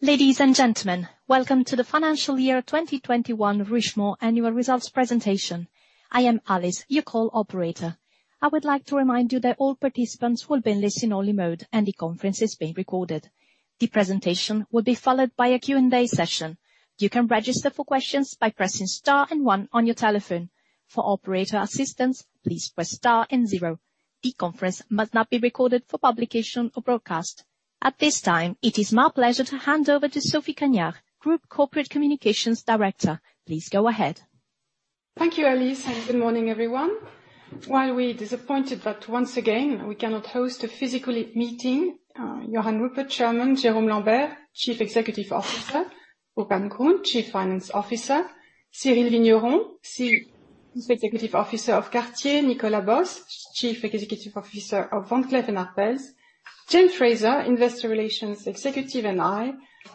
Ladies and gentlemen, welcome to the financial year 2021 Richemont Annual Results presentation. I am Alice, your call operator. I would like to remind you that all participants will be in listen-only mode, and the conference is being recorded. The presentation will be followed by a Q&A session. You can register for questions by pressing star and one on your telephone. For operator assistance, please press star and zero. The conference must not be recorded for publication or broadcast. At this time, it is my pleasure to hand over to Sophie Cagnard, Group Corporate Communications Director. Please go ahead. Thank you, Alice. Good morning, everyone. While we are disappointed that once again, we cannot host a physical meeting, Johann Rupert, Chairman, Jérôme Lambert, Chief Executive Officer, Burkhart Grund, Chief Finance Officer, Cyrille Vigneron, Chief Executive Officer of Cartier, Nicolas Bos, Chief Executive Officer of Van Cleef & Arpels, James Fraser, Investor Relations Executive, and I,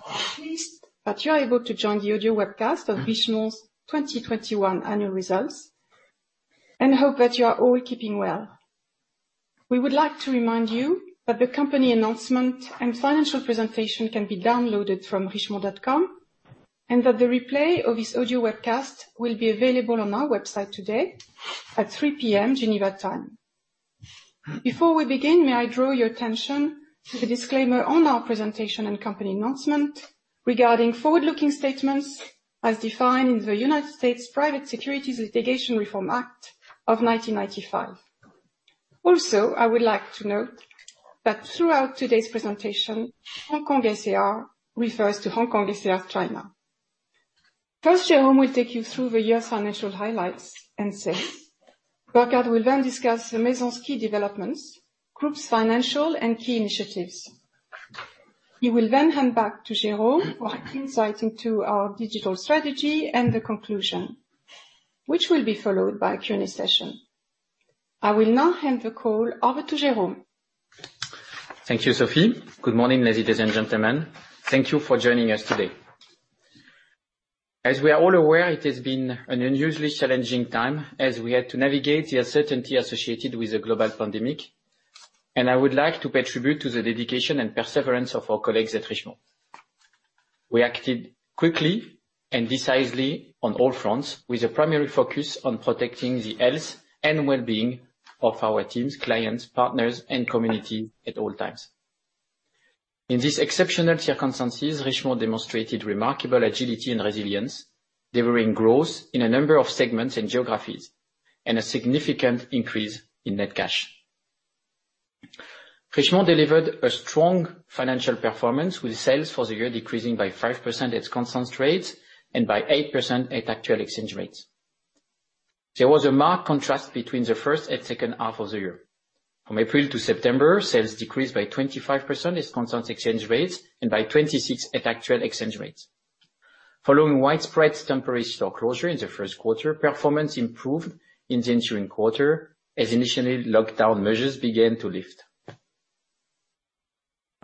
are pleased that you are able to join the audio webcast of Richemont's 2021 annual results and hope that you are all keeping well. We would like to remind you that the company announcement and financial presentation can be downloaded from richemont.com, and that the replay of this audio webcast will be available on our website today at 3:00 P.M. Geneva time. Before we begin, may I draw your attention to the disclaimer on our presentation and company announcement regarding forward-looking statements as defined in the United States Private Securities Litigation Reform Act of 1995. I would like to note that throughout today's presentation, Hong Kong SAR refers to Hong Kong SAR, China. First, Jérôme will take you through the year's financial highlights and sales. Johann Rupert will then discuss the Maison's key developments, group's financial, and key initiatives. He will then hand back to Jérôme for insights into our digital strategy and the conclusion, which will be followed by a Q&A session. I will now hand the call over to Jérôme. Thank you, Sophie. Good morning, ladies and gentlemen. Thank you for joining us today. As we are all aware, it has been an unusually challenging time as we had to navigate the uncertainty associated with the global pandemic, and I would like to pay tribute to the dedication and perseverance of our colleagues at Richemont. We acted quickly and decisively on all fronts with a primary focus on protecting the health and well-being of our teams, clients, partners, and community at all times. In these exceptional circumstances, Richemont demonstrated remarkable agility and resilience, delivering growth in a number of segments and geographies, and a significant increase in net cash. Richemont delivered a strong financial performance, with sales for the year decreasing by 5% at constant rates and by 8% at actual exchange rates. There was a marked contrast between the first and second half of the year. From April to September, sales decreased by 25% at constant exchange rates and by 26% at actual exchange rates. Following widespread temporary store closure in the first quarter, performance improved in the ensuing quarter as initially lockdown measures began to lift.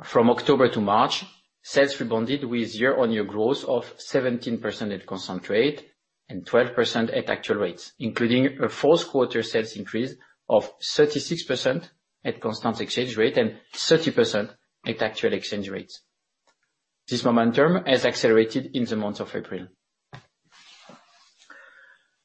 From October to March, sales rebounded with year-on-year growth of 17% at constant rate and 12% at actual rates, including a fourth quarter sales increase of 36% at constant exchange rate and 30% at actual exchange rates. This momentum has accelerated in the month of April.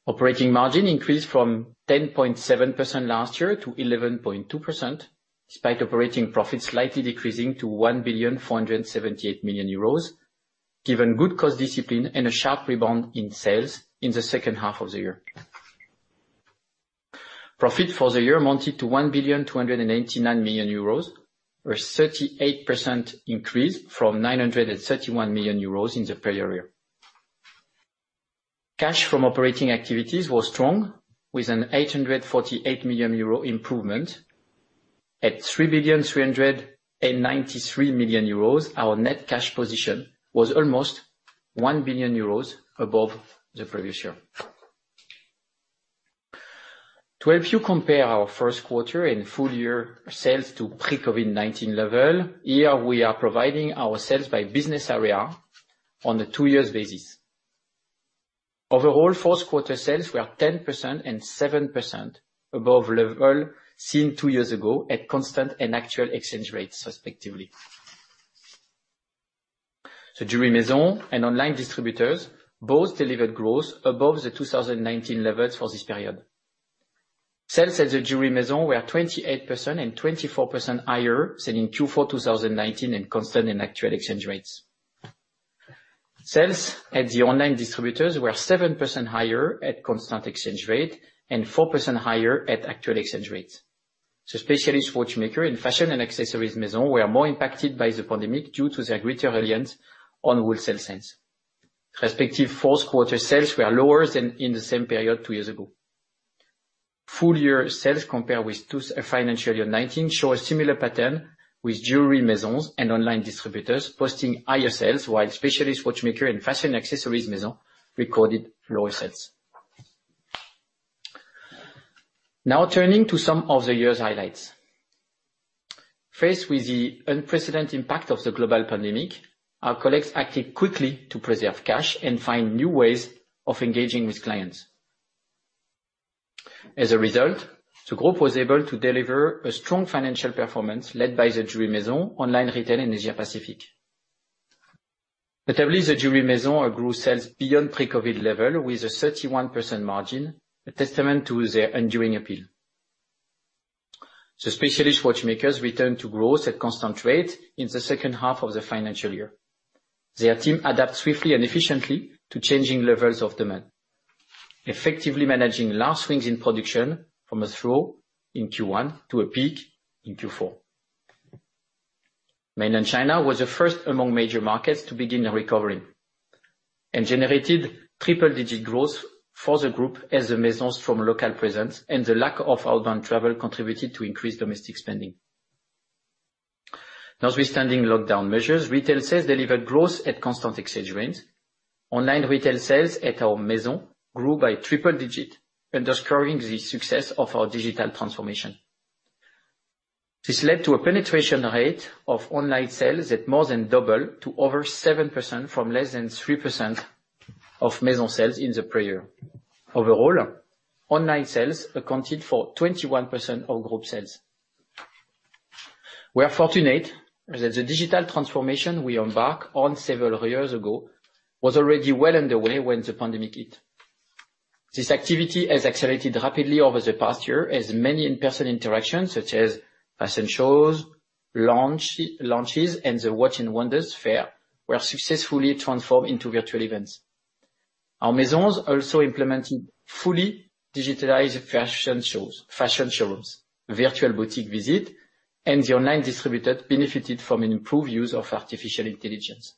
Operating margin increased from 10.7% last year to 11.2%, despite operating profit slightly decreasing to 1,478,000,000 euros, given good cost discipline and a sharp rebound in sales in the second half of the year. Profit for the year amounted to 1,289,000,000, or a 38% increase from 931 million euros in the prior year. Cash from operating activities was strong, with an 848 million euro improvement. At 3,393,000,000 euros, our net cash position was almost 1,000,000,000 euros above the previous year. To help you compare our first quarter and full year sales to pre-COVID-19 level, here we are providing our sales by business area on a two-years basis. Overall, fourth quarter sales were 10% and 7% above level seen two years ago at constant and actual exchange rates, respectively. The Jewelry Maison and online distributors both delivered growth above the 2019 levels for this period. Sales at the Jewelry Maison were 28% and 24% higher than in Q4 2019 in constant and actual exchange rates. Sales at the online distributors were 7% higher at constant exchange rate and 4% higher at actual exchange rates. The Specialist Watchmaker and Fashion and Accessories Maison were more impacted by the pandemic due to their greater reliance on wholesale sales. Respective fourth quarter sales were lower than in the same period two years ago. Full-year sales compared with financial year 2019 show a similar pattern, with Jewellery Maisons and online distributors posting higher sales, while Specialist Watchmakers and Fashion & Accessories Maisons recorded lower sales. Now turning to some of the year's highlights. Faced with the unprecedented impact of the global pandemic, our colleagues acted quickly to preserve cash and find new ways of engaging with clients. As a result, the group was able to deliver a strong financial performance led by the Jewellery Maisons, Online Retail, and Asia Pacific. Notably, the Jewellery Maisons grew sales beyond pre-COVID-19 level with a 31% margin, a testament to their enduring appeal. The Specialist Watchmakers returned to growth at constant rates in the second half of the financial year. Their team adapt swiftly and efficiently to changing levels of demand, effectively managing large swings in production from a trough in Q1 to a peak in Q4. Mainland China was the first among major markets to begin a recovery and generated triple-digit growth for the group as the maisons from local presence and the lack of outbound travel contributed to increased domestic spending. Notwithstanding lockdown measures, retail sales delivered growth at constant exchange rates. Online retail sales at our Maison grew by triple-digit, underscoring the success of our digital transformation. This led to a penetration rate of online sales that more than doubled to over 7% from less than 3% of Maison sales in the prior year. Overall, online sales accounted for 21% of group sales. We are fortunate that the digital transformation we embarked on several years ago was already well underway when the pandemic hit. This activity has accelerated rapidly over the past year as many in-person interactions such as fashion shows, launches, and the Watches & Wonders fair were successfully transformed into virtual events. Our maisons also implemented fully digitalized fashion shows, virtual boutique visit, and the online distributor benefited from improved use of artificial intelligence.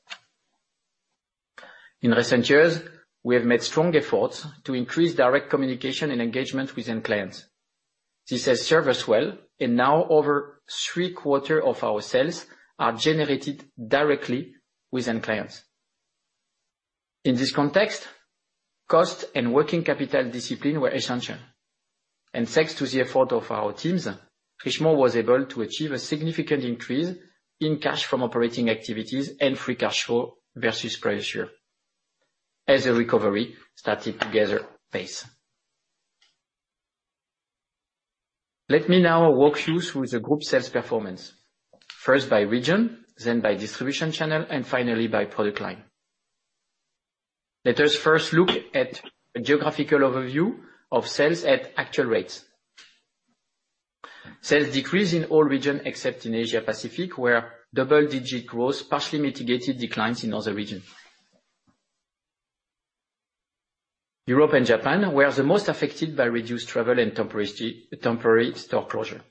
In recent years, we have made strong efforts to increase direct communication and engagement with end clients. This has served us well, now over three-quarter of our sales are generated directly with end clients. In this context, cost and working capital discipline were essential. Thanks to the effort of our teams, Richemont was able to achieve a significant increase in cash from operating activities and free cash flow versus prior year as the recovery started to gather pace. Let me now walk you through the group sales performance, first by region, then by distribution channel, and finally, by product line. Let us first look at a geographical overview of sales at actual rates. Sales decreased in all regions except in Asia Pacific, where double-digit growth partially mitigated declines in other regions. Europe and Japan were the most affected by reduced travel and temporary store closure.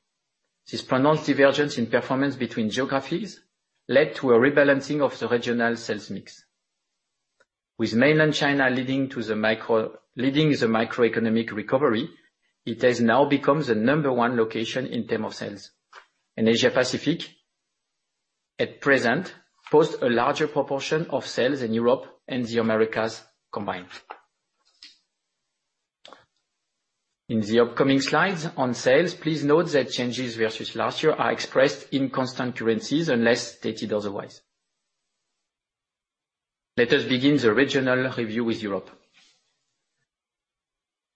This pronounced divergence in performance between geographies led to a rebalancing of the regional sales mix. With mainland China leading the macroeconomic recovery, it has now become the number one location in terms of sales. Asia Pacific at present, posts a larger proportion of sales than Europe and the Americas combined. In the upcoming slides on sales, please note that changes versus last year are expressed in constant currencies unless stated otherwise. Let us begin the regional review with Europe.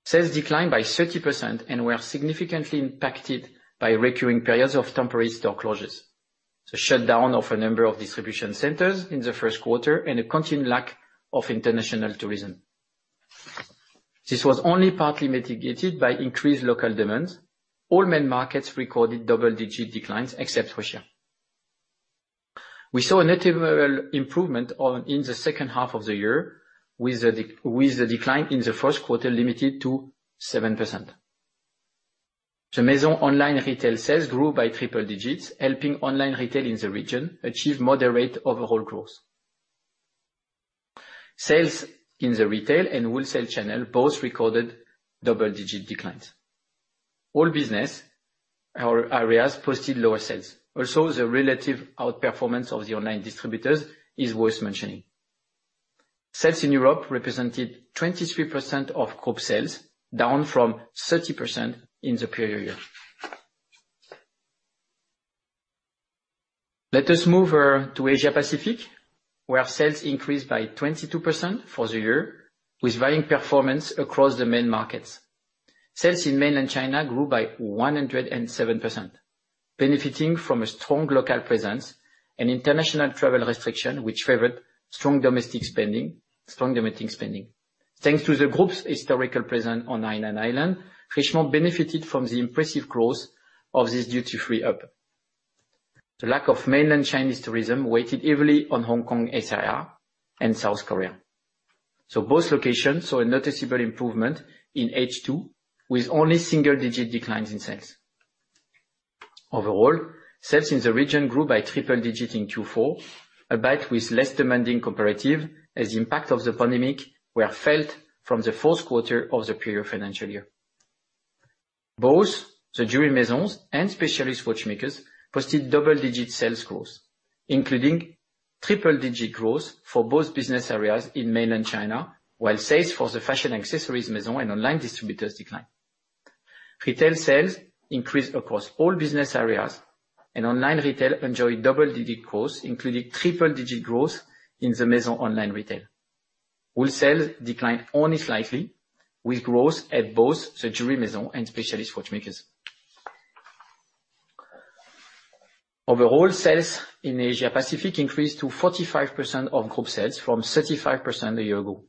Sales declined by 30% and were significantly impacted by recurring periods of temporary store closures, the shutdown of a number of distribution centers in the first quarter, and a continued lack of international tourism. This was only partly mitigated by increased local demand. All main markets recorded double-digit declines except Russia. We saw a notable improvement in the second half of the year with the decline in the first quarter limited to 7%. The Maison online retail sales grew by triple digits, helping online retail in the region achieve moderate overall growth. Sales in the retail and wholesale channel both recorded double-digit declines. All business areas posted lower sales. Also, the relative outperformance of the online distributors is worth mentioning. Sales in Europe represented 23% of group sales, down from 30% in the prior year. Let us move over to Asia Pacific, where sales increased by 22% for the year, with varying performance across the main markets. Sales in mainland China grew by 107%, benefiting from a strong local presence and international travel restriction, which favored strong domestic spending. Thanks to the group's historical presence on Hainan Island, Richemont benefited from the impressive growth of this duty-free hub. The lack of mainland Chinese tourism weighted heavily on Hong Kong SAR and South Korea. Both locations saw a noticeable improvement in H2 with only single-digit declines in sales. Overall, sales in the region grew by triple digit in Q4, albeit with less demanding comparative as impact of the pandemic were felt from the fourth quarter of the prior financial year. Both the Jewellery Maisons and Specialist Watchmakers posted double-digit sales growth, including triple-digit growth for both business areas in mainland China while sales for the Fashion & Accessories Maisons and online distributors declined. Retail sales increased across all business areas, and online retail enjoyed double-digit growth, including triple-digit growth in the Maison online retail. Wholesale declined only slightly, with growth at both the Jewellery Maisons and Specialist Watchmakers. Overall sales in Asia Pacific increased to 45% of group sales from 35% a year ago.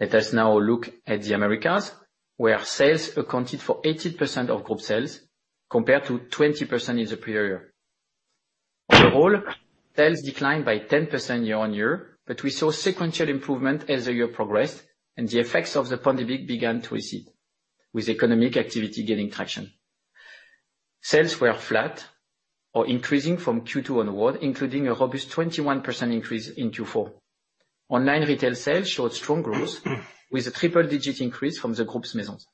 Let us now look at the Americas, where sales accounted for 18% of group sales, compared to 20% in the prior year. Overall, sales declined by 10% year-on-year, but we saw sequential improvement as the year progressed, and the effects of the pandemic began to recede, with economic activity gaining traction. Sales were flat or increasing from Q2 onward, including a robust 21% increase in Q4. Online retail sales showed strong growth, with a triple-digit increase from the group's maisons.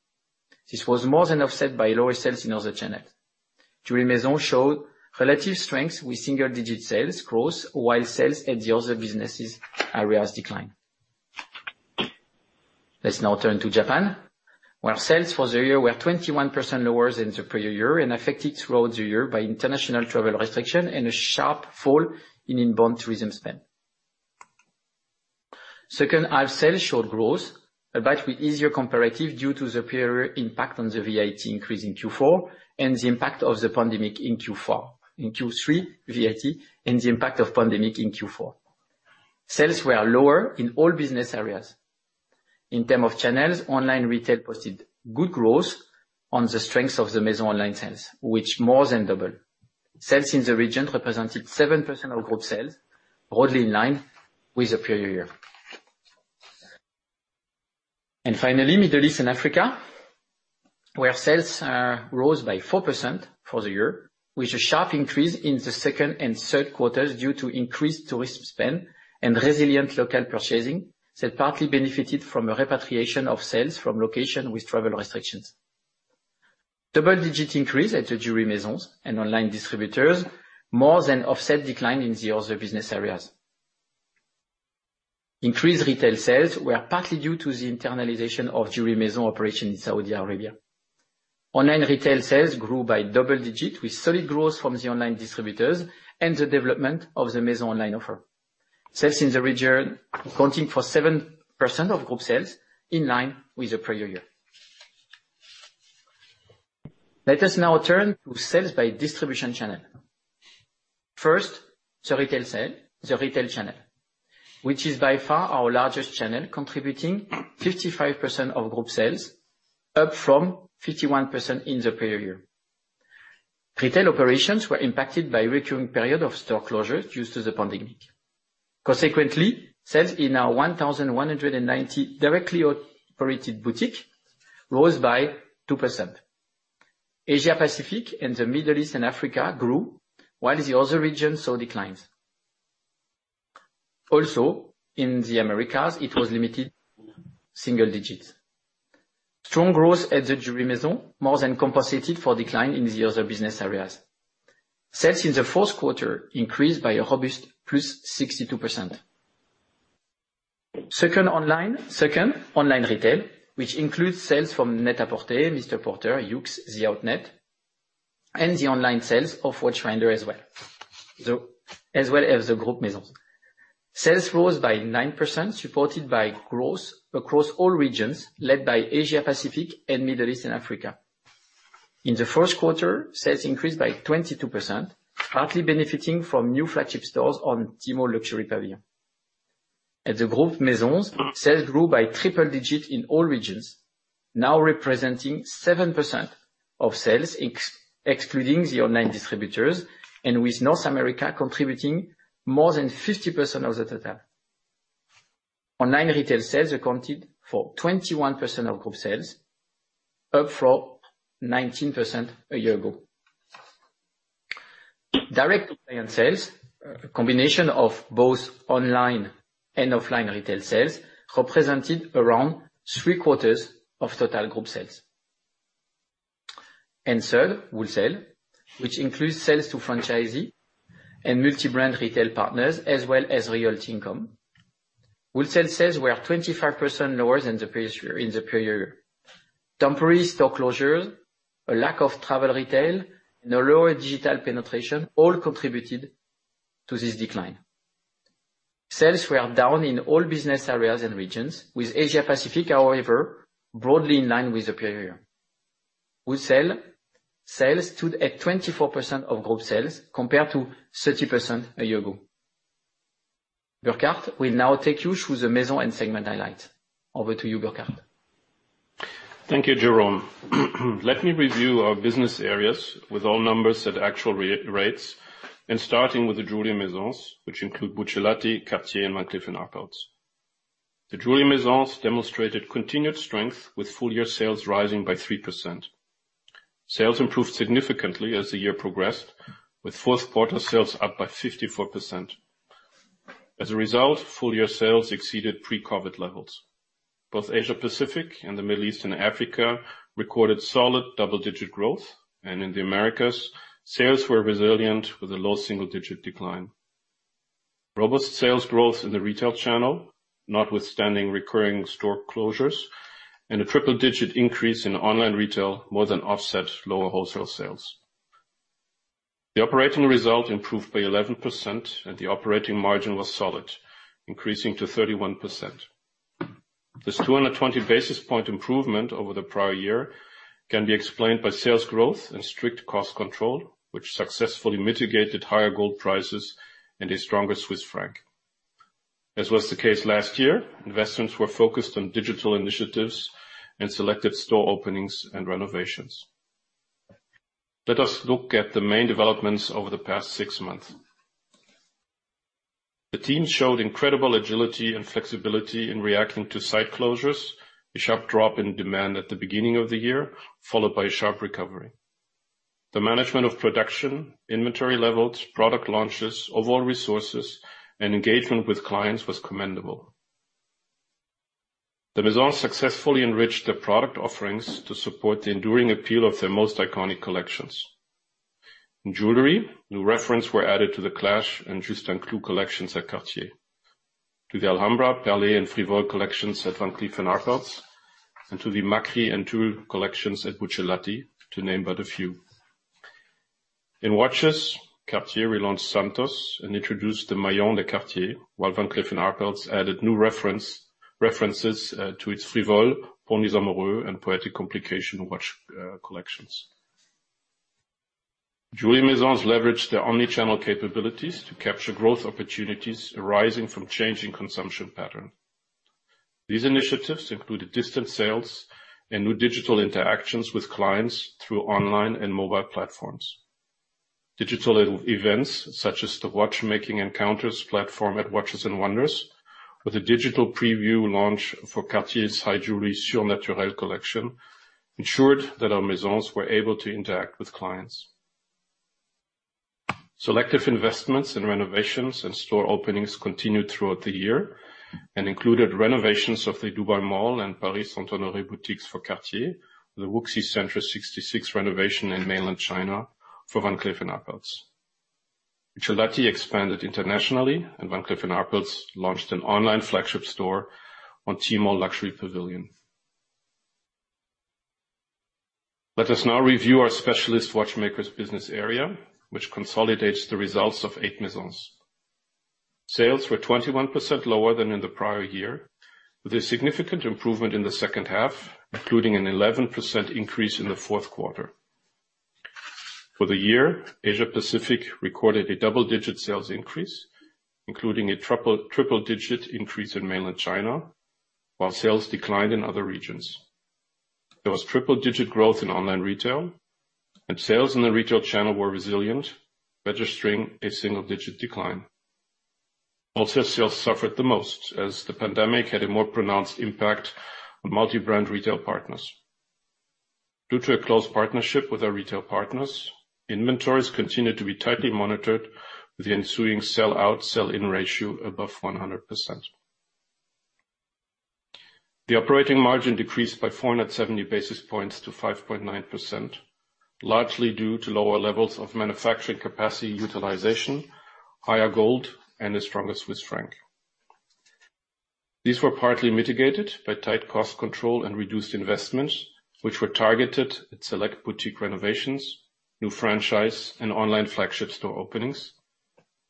This was more than offset by lower sales in other channels. Jewelry Maison showed relative strength with single-digit sales growth, while sales at the other businesses areas declined. Let's now turn to Japan, where sales for the year were 21% lower than the prior year and affected throughout the year by international travel restrictions and a sharp fall in inbound tourism spend. Second half sales showed growth, but with easier comparative due to the prior year impact on the VAT increase in Q4 and the impact of the pandemic in Q4. In Q3, VAT, and the impact of pandemic in Q4. Sales were lower in all business areas. In terms of channels, online retail posted good growth on the strength of the Maison online sales, which more than doubled. Sales in the region represented 7% of group sales, broadly in line with the prior year. Finally, Middle East and Africa, where sales rose by 4% for the year, with a sharp increase in the second and third quarters due to increased tourist spend and resilient local purchasing that partly benefited from a repatriation of sales from locations with travel restrictions. Double-digit increase at the Jewellery Maisons and online distributors more than offset decline in the other business areas. Increased retail sales were partly due to the internalization of Jewellery Maison operations in Saudi Arabia. Online retail sales grew by double digits with solid growth from the online distributors and the development of the maison online offer. Sales in the region accounting for 7% of group sales, in line with the prior year. Let us now turn to sales by distribution channel. The retail channel, which is by far our largest channel, contributing 55% of group sales, up from 51% in the prior year. Retail operations were impacted by a recurring period of store closures due to the pandemic. Sales in our 1,190 directly operated boutiques rose by 2%. Asia Pacific and the Middle East and Africa grew, while the other regions saw declines. In the Americas, it was limited single digits. Strong growth at the Jewellery Maison more than compensated for decline in the other business areas. Sales in the fourth quarter increased by a robust plus 62%. Online retail, which includes sales from NET-A-PORTER, MR PORTER, YOOX, THE, and the online sales of Watchfinder as well as the group Maison. Sales rose by 9%, supported by growth across all regions, led by Asia Pacific and the Middle East and Africa. In the first quarter, sales increased by 22%, partly benefiting from new flagship stores on Tmall Luxury Pavilion. At the Group maisons, sales grew by triple digits in all regions, now representing 7% of sales excluding the online distributors and with North America contributing more than 50% of the total. Online retail sales accounted for 21% of group sales, up from 19% a year ago. Direct client sales, a combination of both online and offline retail sales, represented around three-quarters of total group sales. Third, wholesale, which includes sales to franchisee and multi-brand retail partners, as well as realty income. Wholesale sales were 25% lower than the prior year. Temporary store closures, a lack of travel retail, and a lower digital penetration all contributed to this decline. Sales were down in all business areas and regions, with Asia Pacific, however, broadly in line with the prior year. Wholesale sales stood at 24% of group sales, compared to 30% a year ago. Burkhart will now take you through the Maison and segment highlights. Over to you, Burkhart. Thank you, Jérôme. Let me review our business areas with all numbers at actual rates and starting with the Jewellery Maisons, which include Buccellati, Cartier, and Montblanc finals. The Jewellery Maisons demonstrated continued strength with full-year sales rising by 3%. Sales improved significantly as the year progressed, with fourth quarter sales up by 54%. As a result, full-year sales exceeded pre-COVID levels. Both Asia-Pacific and the Middle East and Africa recorded solid double-digit growth, and in the Americas, sales were resilient with a low single-digit decline. Robust sales growth in the retail channel, notwithstanding recurring store closures, and a triple-digit increase in online retail more than offset lower wholesale sales. The operating result improved by 11%, and the operating margin was solid, increasing to 31%. This 220-basis-point improvement over the prior year can be explained by sales growth and strict cost control, which successfully mitigated higher gold prices and a stronger Swiss franc. As was the case last year, investments were focused on digital initiatives and selected store openings and renovations. Let us look at the main developments over the past six months. The team showed incredible agility and flexibility in reacting to site closures, a sharp drop in demand at the beginning of the year, followed by a sharp recovery. The management of production, inventory levels, product launches, overall resources, and engagement with clients was commendable. The Maison successfully enriched their product offerings to support the enduring appeal of their most iconic collections. In jewelry, new reference were added to the Clash and Juste un Clou collections at Cartier, to the Alhambra, Perlée, and Frivole collections at Van Cleef & Arpels, and to the Macri and Tulle collections at Buccellati, to name but a few. In watches, Cartier relaunched Santos and introduced the Maillon de Cartier, while Van Cleef & Arpels added new references to its Frivole, Poetic Complications watch collections. Jewelry Maisons leveraged their omni-channel capabilities to capture growth opportunities arising from changing consumption patterns. These initiatives included distant sales and new digital interactions with clients through online and mobile platforms. Digital events such as the Watchmaking Encounters platform at Watches & Wonders with a digital preview launch for Cartier's High Jewelry Surnaturel collection ensured that our maisons were able to interact with clients. Selective investments in renovations and store openings continued throughout the year and included renovations of the Dubai Mall and Paris Saint-Honoré boutiques for Cartier, the Wuxi Center 66 renovation in mainland China for Van Cleef & Arpels. Buccellati expanded internationally, and Van Cleef & Arpels launched an online flagship store on Tmall Luxury Pavilion. Let us now review our Specialist Watchmakers business area, which consolidates the results of eight maisons. Sales were 21% lower than in the prior year, with a significant improvement in the second half, including an 11% increase in the fourth quarter. For the year, Asia Pacific recorded a double-digit sales increase, including a triple-digit increase in mainland China while sales declined in other regions. There was triple-digit growth in online retail, and sales in the retail channel were resilient, registering a single-digit decline. Wholesale sales suffered the most as the pandemic had a more pronounced impact on multi-brand retail partners. Due to a close partnership with our retail partners, inventories continued to be tightly monitored with the ensuing sell out/sell-in ratio above 100%. The operating margin decreased by 470 basis points to 5.9%, largely due to lower levels of manufacturing capacity utilization, higher gold, and a stronger Swiss franc. These were partly mitigated by tight cost control and reduced investments, which were targeted at select boutique renovations, new franchise and online flagship store openings,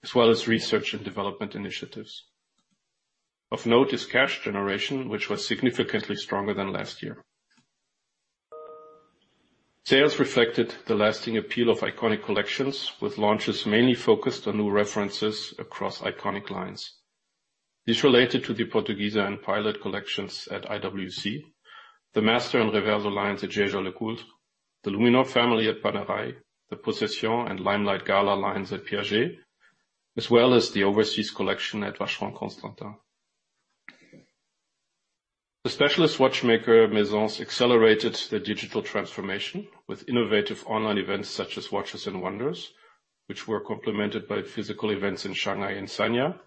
as well as research and development initiatives. Of note is cash generation, which was significantly stronger than last year. Sales reflected the lasting appeal of iconic collections, with launches mainly focused on new references across iconic lines. This related to the Portugieser and Pilot collections at IWC, the Master and Reverso lines at Jaeger-LeCoultre, the Luminor family at Panerai, the Possession and Limelight Gala lines at Piaget, as well as the Overseas collection at Vacheron Constantin. The Specialist Watchmaker Maisons accelerated their digital transformation with innovative online events such as Watches & Wonders, which were complemented by physical events in Shanghai and Sanya,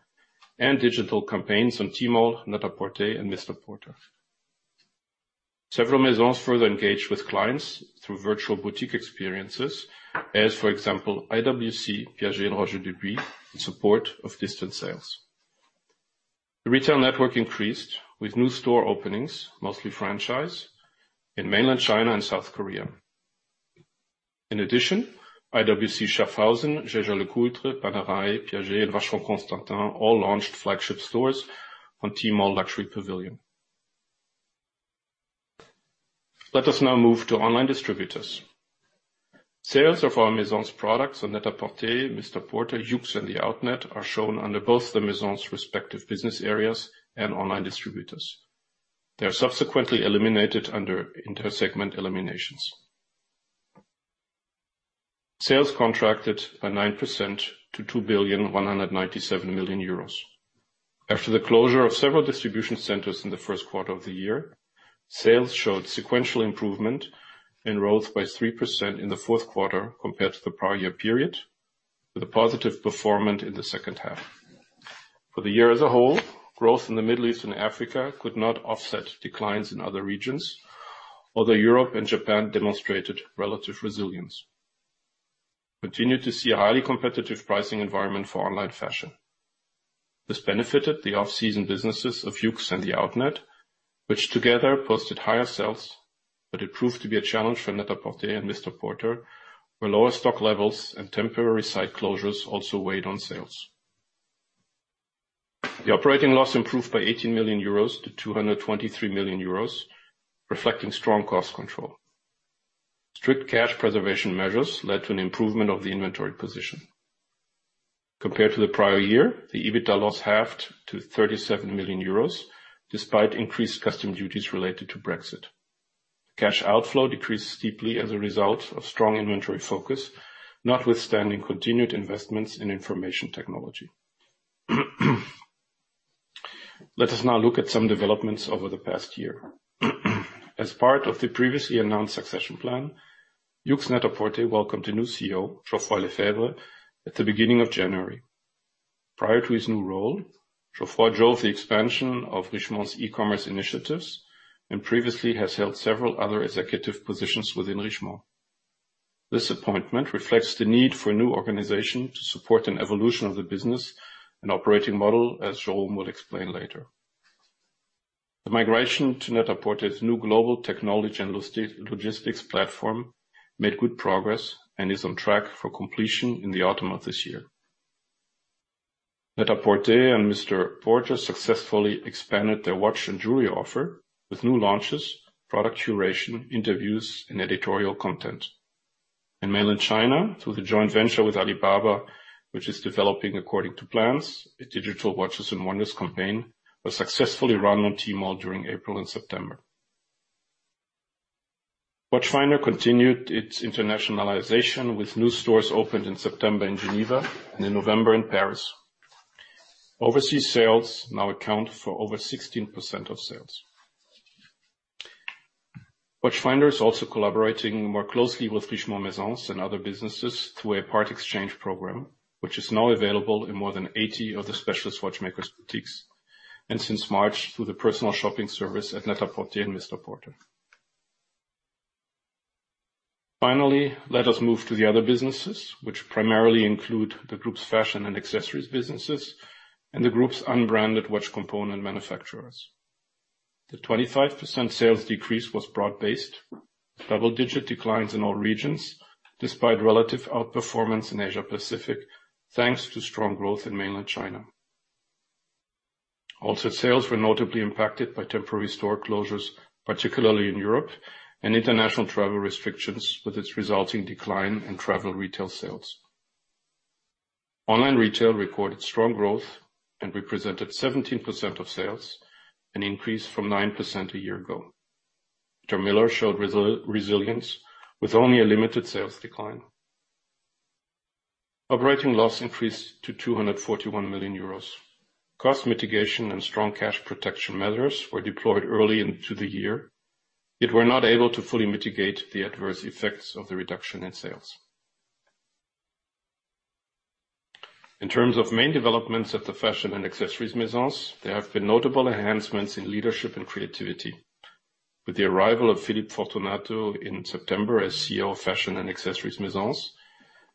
and digital campaigns on Tmall, NET-A-PORTER, and MR PORTER. Several Maisons further engaged with clients through virtual boutique experiences as, for example, IWC, Piaget, Roger Dubuis in support of distant sales. The retail network increased with new store openings, mostly franchise, in mainland China and South Korea. In addition, IWC Schaffhausen, Jaeger-LeCoultre, Panerai, Piaget, Vacheron Constantin all launched flagship stores on Tmall Luxury Pavilion. Let us now move to online distributors. Sales of our Maison's products on NET-A-PORTER, MR PORTER, YOOX, and The Outnet are shown under both the Maison's respective business areas and online distributors. They are subsequently eliminated under intersegment eliminations. Sales contracted by 9% to 2.197 billion. After the closure of several distribution centers in the first quarter of the year, sales showed sequential improvement and rose by 3% in the fourth quarter compared to the prior year period, with a positive performance in the second half. For the year as a whole, growth in the Middle East and Africa could not offset declines in other regions, although Europe and Japan demonstrated relative resilience. We continue to see a highly competitive pricing environment for online fashion. This benefited the off-season businesses of YOOX and The Outnet, which together posted higher sales, but it proved to be a challenge for NET-A-PORTER and MR PORTER, where lower stock levels and temporary site closures also weighed on sales. The operating loss improved by 18 million euros to 223 million euros, reflecting strong cost control. Strict cash preservation measures led to an improvement of the inventory position. Compared to the prior year, the EBITDA loss halved to 37 million euros, despite increased custom duties related to Brexit. Cash outflow decreased deeply as a result of strong inventory focus, notwithstanding continued investments in information technology. Let us now look at some developments over the past year. As part of the previously announced succession plan, YOOX NET-A-PORTER welcomed a new CEO, Geoffroy Lefebvre, at the beginning of January. Prior to his new role, Geoffroy drove the expansion of Richemont's e-commerce initiatives and previously has held several other executive positions within Richemont. This appointment reflects the need for a new organization to support an evolution of the business and operating model, as Jerome will explain later. The migration to NET-A-PORTER's new global technology and logistics platform made good progress and is on track for completion in the autumn of this year. NET-A-PORTER and MR PORTER successfully expanded their watch and jewelry offer with new launches, product curation, interviews, and editorial content. In Mainland China, through the joint venture with Alibaba, which is developing according to plans, a digital Watches & Wonders campaign was successfully run on Tmall during April and September. Watchfinder continued its internationalization, with new stores opened in September in Geneva and in November in Paris. Overseas sales now account for over 16% of sales. Watchfinder is also collaborating more closely with Richemont Maisons and other businesses through a part exchange program, which is now available in more than 80 of the Specialist Watchmakers' boutiques and since March, through the personal shopping service at NET-A-PORTER and MR PORTER. Finally, let us move to the other businesses, which primarily include the group's fashion and accessories businesses and the group's unbranded watch component manufacturers. The 25% sales decrease was broad-based, with double-digit declines in all regions, despite relative outperformance in Asia Pacific, thanks to strong growth in Mainland China. Also, sales were notably impacted by temporary store closures, particularly in Europe, and international travel restrictions with its resulting decline in travel retail sales. Online retail recorded strong growth and represented 17% of sales, an increase from 9% a year ago. Peter Millar showed resilience with only a limited sales decline. Operating loss increased to 241 million euros. Cost mitigation and strong cash protection measures were deployed early into the year, yet were not able to fully mitigate the adverse effects of the reduction in sales. In terms of main developments at the Fashion and Accessories Maisons, there have been notable enhancements in leadership and creativity. With the arrival of Philippe Fortunato in September as CEO of Fashion and Accessories maisons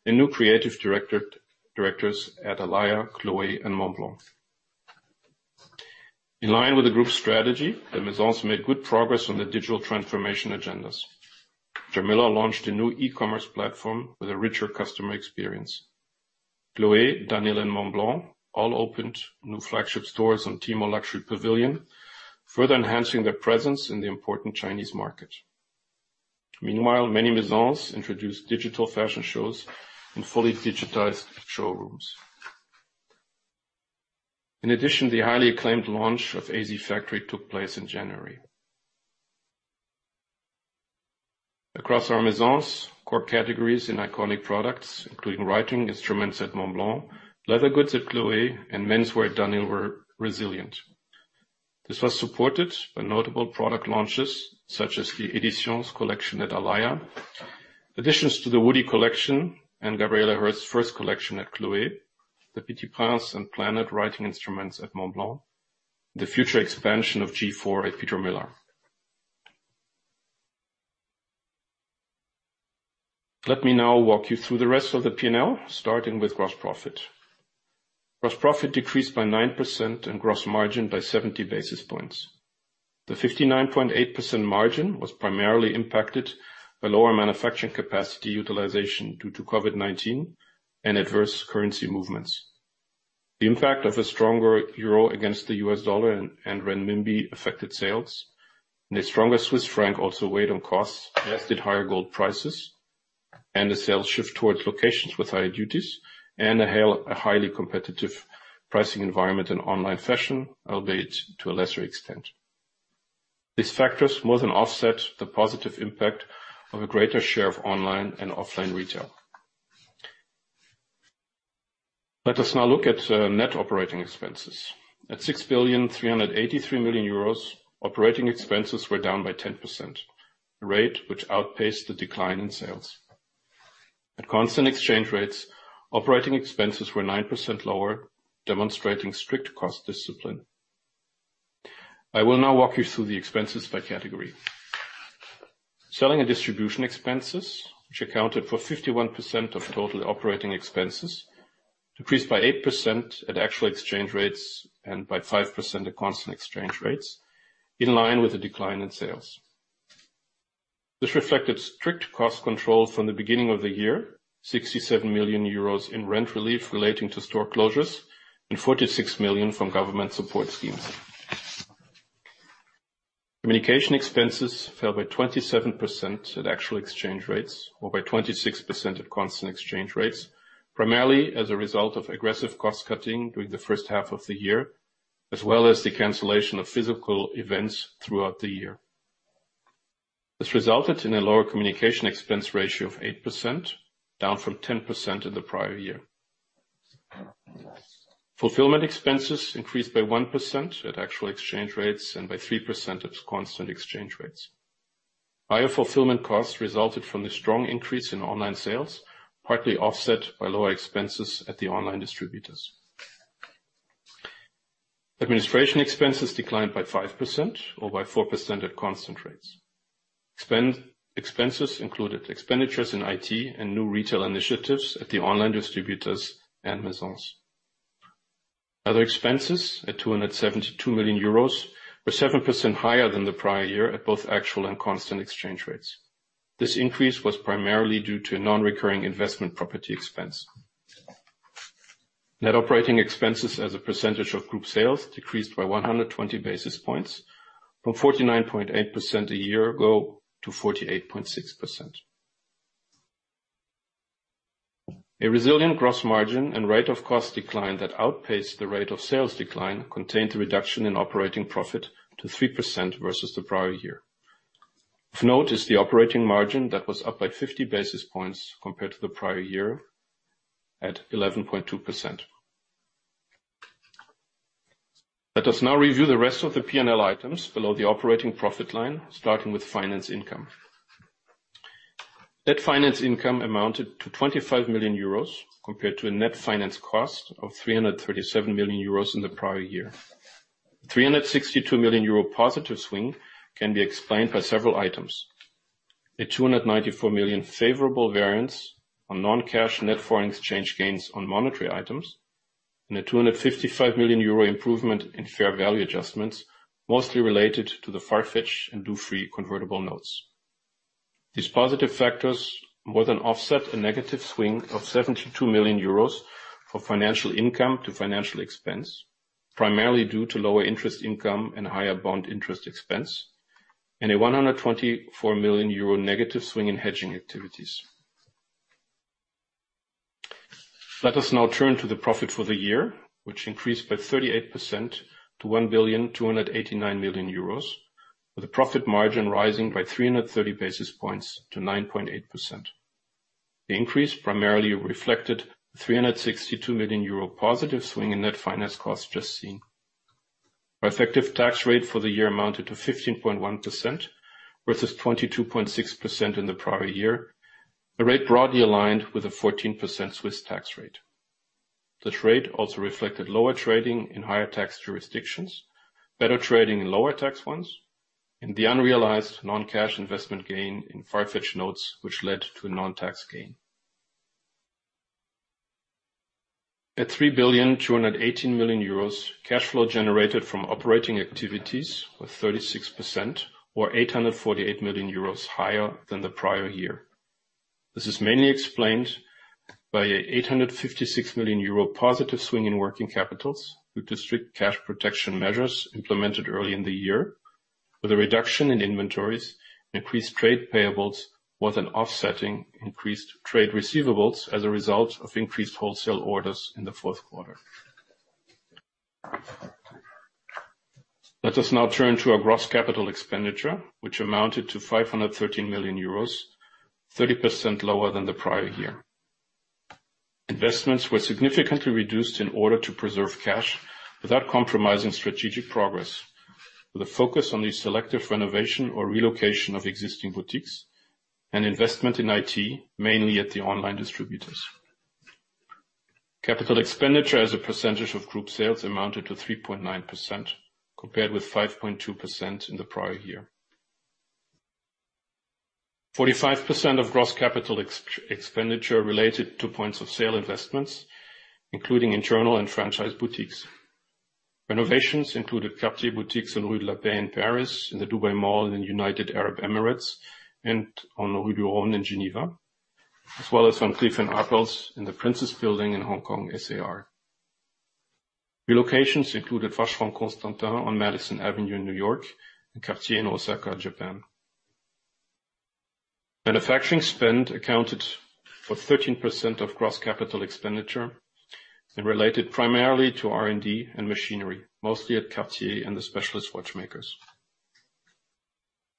and new creative directors at Alaïa, Chloé, and Montblanc. In line with the group's strategy, the maisons made good progress on the digital transformation agendas. Peter Millar launched a new e-commerce platform with a richer customer experience. Chloé, Dunhill & Montblanc all opened new flagship stores on Tmall Luxury Pavilion, further enhancing their presence in the important Chinese market. Meanwhile, many maisons introduced digital fashion shows and fully digitized showrooms. In addition, the highly acclaimed launch of AZ Factory took place in January. Across our maisons, core categories and iconic products, including writing instruments at Montblanc, leather goods at Chloé, and menswear at Dunhill were resilient. This was supported by notable product launches such as the Editions collection at Alaïa, additions to the Woody collection and Gabriela Hearst's first collection at Chloé, the Le Petit Prince and Planète writing instruments at Montblanc, and the future expansion of G/FORE at Peter Millar. Let me now walk you through the rest of the P&L, starting with gross profit. Gross profit decreased by 9% and gross margin by 70 basis points. The 59.8% margin was primarily impacted by lower manufacturing capacity utilization due to COVID-19 and adverse currency movements. The impact of a stronger euro against the U.S. dollar and renminbi affected sales, and a stronger Swiss franc also weighed on costs, as did higher gold prices and a sales shift towards locations with higher duties and a highly competitive pricing environment in online fashion, albeit to a lesser extent. These factors more than offset the positive impact of a greater share of online and offline retail. Let us now look at net operating expenses. At 6,383,000,000 euros, operating expenses were down by 10%, a rate which outpaced the decline in sales. At constant exchange rates, operating expenses were 9% lower, demonstrating strict cost discipline. I will now walk you through the expenses by category. Selling and distribution expenses, which accounted for 51% of total operating expenses, decreased by 8% at actual exchange rates and by 5% at constant exchange rates, in line with the decline in sales. This reflected strict cost control from the beginning of the year, 67 million euros in rent relief relating to store closures, and 46 million from government support schemes. Communication expenses fell by 27% at actual exchange rates or by 26% at constant exchange rates, primarily as a result of aggressive cost-cutting during the first half of the year, as well as the cancellation of physical events throughout the year. This resulted in a lower communication expense ratio of 8%, down from 10% in the prior year. Fulfillment expenses increased by 1% at actual exchange rates and by 3% at constant exchange rates. Higher fulfillment costs resulted from the strong increase in online sales, partly offset by lower expenses at the online distributors. Administration expenses declined by 5%, or by 4% at constant rates. Expenses included expenditures in IT and new retail initiatives at the online distributors and maisons. Other expenses, at 272 million euros, were 7% higher than the prior year at both actual and constant exchange rates. This increase was primarily due to non-recurring investment property expense. Net operating expenses as a percentage of group sales decreased by 120 basis points from 49.8% a year ago to 48.6%. A resilient gross margin and rate of cost decline that outpaced the rate of sales decline contained the reduction in operating profit to 3% versus the prior year. Of note is the operating margin that was up by 50 basis points compared to the prior year at 11.2%. Let us now review the rest of the P&L items below the operating profit line, starting with finance income. Net finance income amounted to 25 million euros compared to a net finance cost of 337 million euros in the prior year. The 362 million euro positive swing can be explained by several items. A 294 million favorable variance on non-cash net foreign exchange gains on monetary items and a €255 million improvement in fair value adjustments, mostly related to the Farfetch and Dufry convertible notes. These positive factors more than offset a negative swing of €72 million from financial income to financial expense, primarily due to lower interest income and higher bond interest expense, and a €124 million negative swing in hedging activities. Let us now turn to the profit for the year, which increased by 38% to €1.289 billion, with the profit margin rising by 330 basis points to 9.8%. The increase primarily reflected a €362 million positive swing in net finance costs just seen. Our effective tax rate for the year amounted to 15.1%, versus 22.6% in the prior year, a rate broadly aligned with a 14% Swiss tax rate. This rate also reflected lower trading in higher tax jurisdictions, better trading in lower tax ones, and the unrealized non-cash investment gain in Farfetch notes, which led to a non-tax gain. At 3,218,000,000 euros, cash flow generated from operating activities was 36%, or 848 million euros higher than the prior year. This is mainly explained by an 856 million euro positive swing in working capitals due to strict cash protection measures implemented early in the year, with a reduction in inventories and increased trade payables, with an offsetting increased trade receivables as a result of increased wholesale orders in the fourth quarter. Let us now turn to our gross capital expenditure, which amounted to 513 million euros, 30% lower than the prior year. Investments were significantly reduced in order to preserve cash without compromising strategic progress, with a focus on the selective renovation or relocation of existing boutiques and investment in IT, mainly at the online distributors. Capital expenditure as a percentage of group sales amounted to 3.9%, compared with 5.2% in the prior year, 45% of gross capital expenditure related to points of sale investments, including internal and franchise boutiques. Renovations included Cartier boutiques in Rue de la Paix in Paris, in the Dubai Mall in the United Arab Emirates, and on Rue du Rhône in Geneva, as well as on Chater Road in the Prince's Building in Hong Kong, SAR. Relocations included Vacheron Constantin on Madison Avenue in New York and Cartier in Osaka, Japan. Manufacturing spend accounted for 13% of gross capital expenditure and related primarily to R&D and machinery, mostly at Cartier and the Specialist Watchmakers.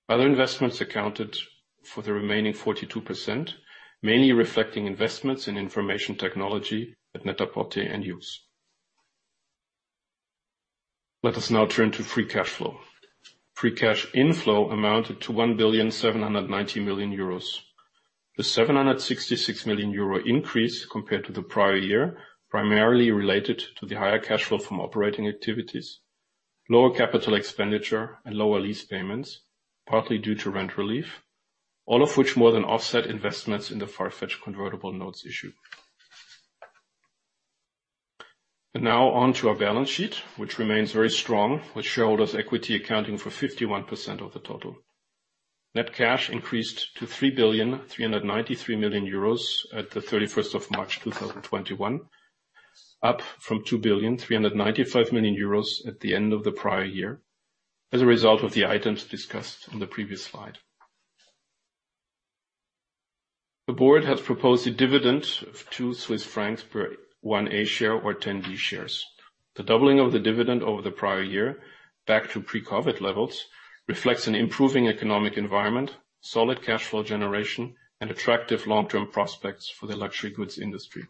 Other investments accounted for the remaining 42%, mainly reflecting investments in information technology at NET-A-PORTER and YOOX. Let us now turn to free cash flow. Free cash inflow amounted to 1,790,000,000 euros. The 766 million euro increase compared to the prior year primarily related to the higher cash flow from operating activities, lower capital expenditure, and lower lease payments, partly due to rent relief, all of which more than offset investments in the Farfetch convertible notes issue. Now on to our balance sheet, which remains very strong with shareholders' equity accounting for 51% of the total. Net cash increased to 3,393 000,000 at the 31st of March 2021, up from 2,395,000,000 euros at the end of the prior year as a result of the items discussed on the previous slide. The board has proposed a dividend of two Swiss francs per one A share or 10 D shares. The doubling of the dividend over the prior year back to pre-COVID-19 levels reflects an improving economic environment, solid cash flow generation, and attractive long-term prospects for the luxury goods industry.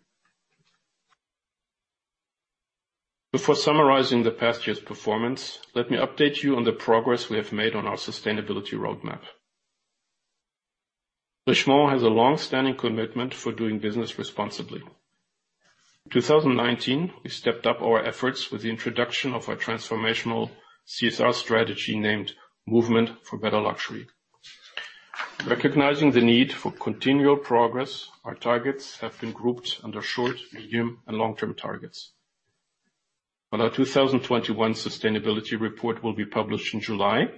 Before summarizing the past year's performance, let me update you on the progress we have made on our sustainability roadmap. Richemont has a long-standing commitment to doing business responsibly. In 2019, we stepped up our efforts with the introduction of our transformational CSR strategy named Movement for Better Luxury. Recognizing the need for continual progress, our targets have been grouped under short, medium, and long-term targets. While our 2021 sustainability report will be published in July,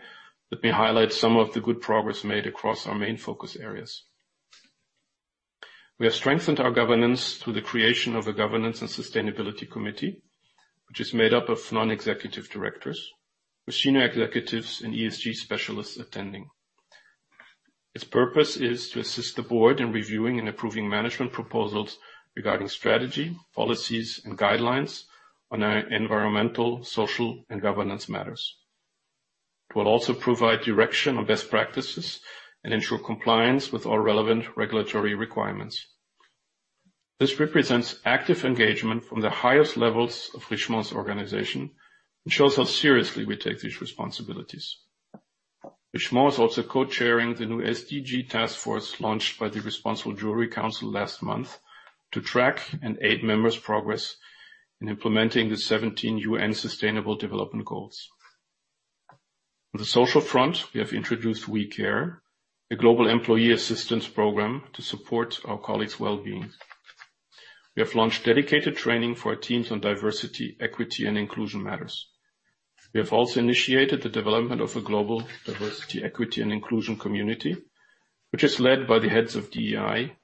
let me highlight some of the good progress made across our main focus areas. We have strengthened our governance through the creation of a governance and sustainability committee, which is made up of non-executive directors with senior executives and ESG specialists attending. Its purpose is to assist the board in reviewing and approving management proposals regarding strategy, policies, and guidelines on environmental, social, and governance matters. It will also provide direction on best practices and ensure compliance with all relevant regulatory requirements. This represents active engagement from the highest levels of Richemont's organization and shows how seriously we take these responsibilities. Richemont is also co-chairing the new SDG task force launched by the Responsible Jewellery Council last month to track and aid members' progress in implementing the 17 UN Sustainable Development Goals. On the social front, we have introduced WeCare, a global employee assistance program to support our colleagues' well-being. We have launched dedicated training for our teams on diversity, equity, and inclusion matters. We have also initiated the development of a Global Diversity, Equity, and Inclusion Community, which is led by the heads of DEI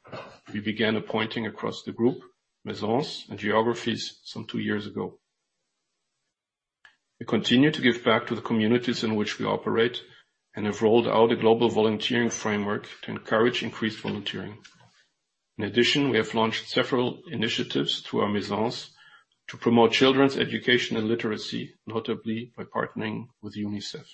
we began appointing across the group, maisons, and geographies some two years ago. We continue to give back to the communities in which we operate and have rolled out a Global Volunteering Framework to encourage increased volunteering. In addition, we have launched several initiatives through our maisons to promote children's education and literacy, notably by partnering with UNICEF.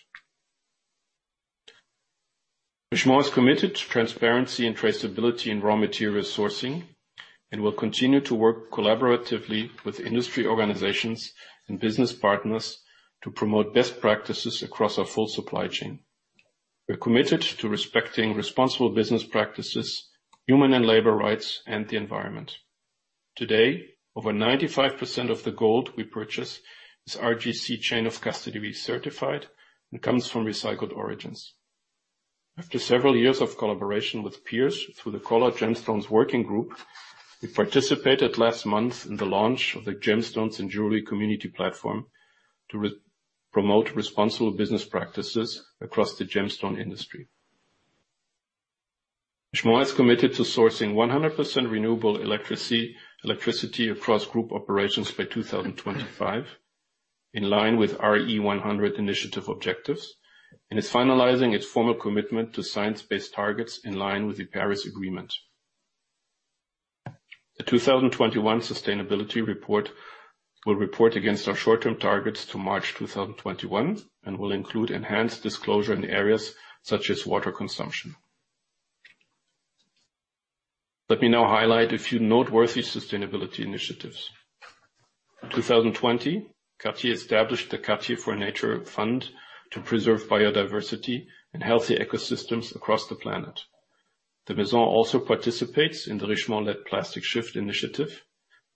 Richemont is committed to transparency and traceability in raw material sourcing and will continue to work collaboratively with industry organizations and business partners to promote best practices across our full supply chain. We are committed to respecting responsible business practices, human and labor rights, and the environment. Today, over 95% of the gold we purchase is RJC Chain of Custody certified and comes from recycled origins. After several years of collaboration with peers through the Coloured Gemstones Working Group, we participated last month in the launch of the Gemstones and Jewellery Community Platform to promote responsible business practices across the gemstone industry. Richemont is committed to sourcing 100% renewable electricity across group operations by 2025, in line with RE100 initiative objectives, and is finalizing its formal commitment to science-based targets in line with the Paris Agreement. The 2021 sustainability report will report against our short-term targets to March 2021 and will include enhanced disclosure in areas such as water consumption. Let me now highlight a few noteworthy sustainability initiatives. In 2020, Cartier established the Cartier for Nature Fund to preserve biodiversity and healthy ecosystems across the planet. The maison also participates in the Richemont Net Plastic Shift initiative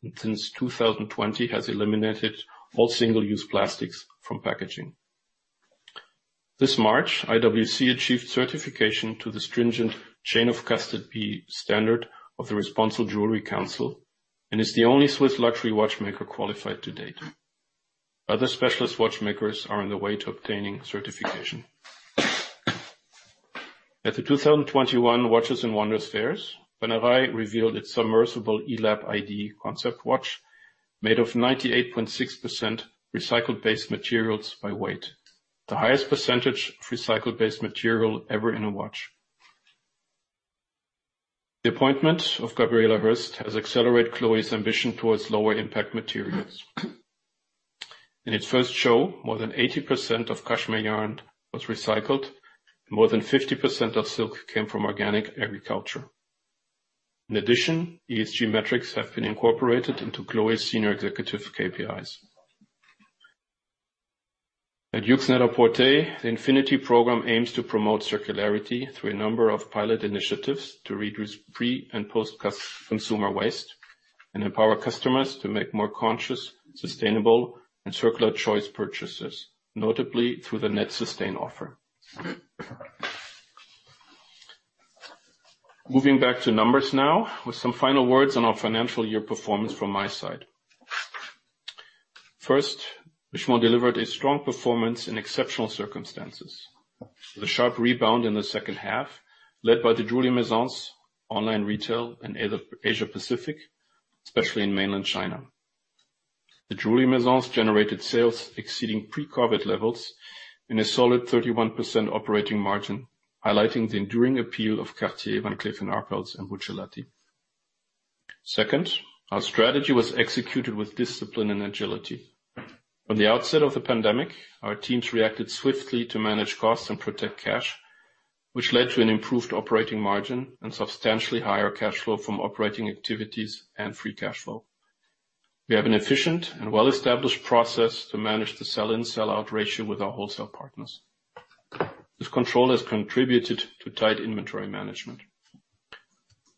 and since 2020 has eliminated all single-use plastics from packaging. This March, IWC achieved certification to the stringent Chain of Custody standard of the Responsible Jewellery Council and is the only Swiss luxury watchmaker qualified to date. Other Specialist Watchmakers are on the way to obtaining certification. At the 2021 Watches & Wonders fairs, Panerai revealed its Submersible eLAB-ID concept watch made of 98.6% recycled-based materials by weight, the highest percentage of recycled-based material ever in a watch. The appointment of Gabriela Hearst has accelerated Chloé's ambition towards lower impact materials. In its first show, more than 80% of cashmere yarn was recycled and more than 50% of silk came from organic agriculture. In addition, ESG metrics have been incorporated into Chloé's senior executive KPIs. At YOOX NET-A-PORTER the Infinity Program aims to promote circularity through a number of pilot initiatives to reduce pre- and post-consumer waste and empower customers to make more conscious, sustainable, and circular choice purchases, notably through the NET SUSTAIN offer. Moving back to numbers now with some final words on our financial year performance from my side. First, Richemont delivered a strong performance in exceptional circumstances with a sharp rebound in the second half led by the Jewellery Maisons, online retail in Asia-Pacific, especially in mainland China. The Jewellery Maisons generated sales exceeding pre-COVID-19 levels and a solid 31% operating margin, highlighting the enduring appeal of Cartier, Van Cleef & Arpels, and Buccellati. Second, our strategy was executed with discipline and agility. On the outset of the pandemic, our teams reacted swiftly to manage costs and protect cash, which led to an improved operating margin and substantially higher cash flow from operating activities and free cash flow. We have an efficient and well-established process to manage the sell-in, sell-out ratio with our wholesale partners. This control has contributed to tight inventory management.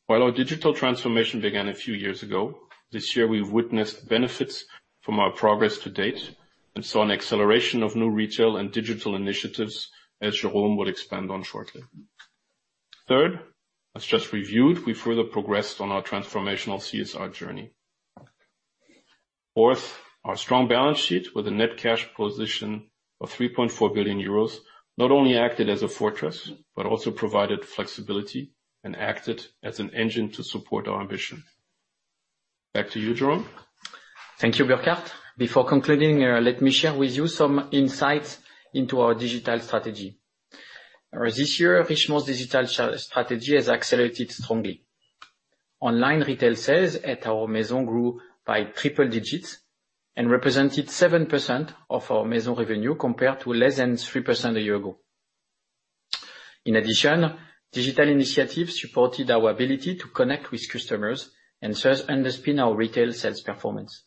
While our digital transformation began a few years ago, this year, we witnessed the benefits from our progress to date and saw an acceleration of new retail and digital initiatives, as Jérôme will expand on shortly. Third, as just reviewed, we further progressed on our transformational CSR journey. Fourth, our strong balance sheet with a net cash position of €3.4 billion not only acted as a fortress, but also provided flexibility and acted as an engine to support our ambition. Back to you, Jérôme. Thank you, Burkhart. Before concluding, let me share with you some insights into our digital strategy. This year, Richemont's digital strategy has accelerated strongly. Online retail sales at our maison grew by triple digits and represented 7% of our maison revenue compared to less than 3% a year ago. In addition, digital initiatives supported our ability to connect with customers and thus underpin our retail sales performance.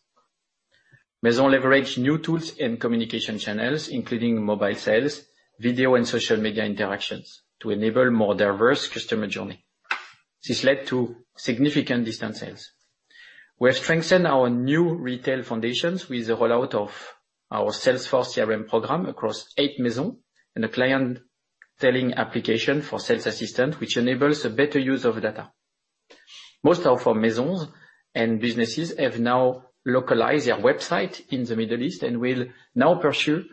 Maison leveraged new tools and communication channels, including mobile sales, video, and social media interactions to enable more diverse customer journey. This led to significant distance sales. We have strengthened our new retail foundations with the rollout of our Salesforce CRM program across eight Maison and a clientelling application for sales assistant, which enables a better use of data. Most of our maisons and businesses have now localized their website in the Middle East and will now pursue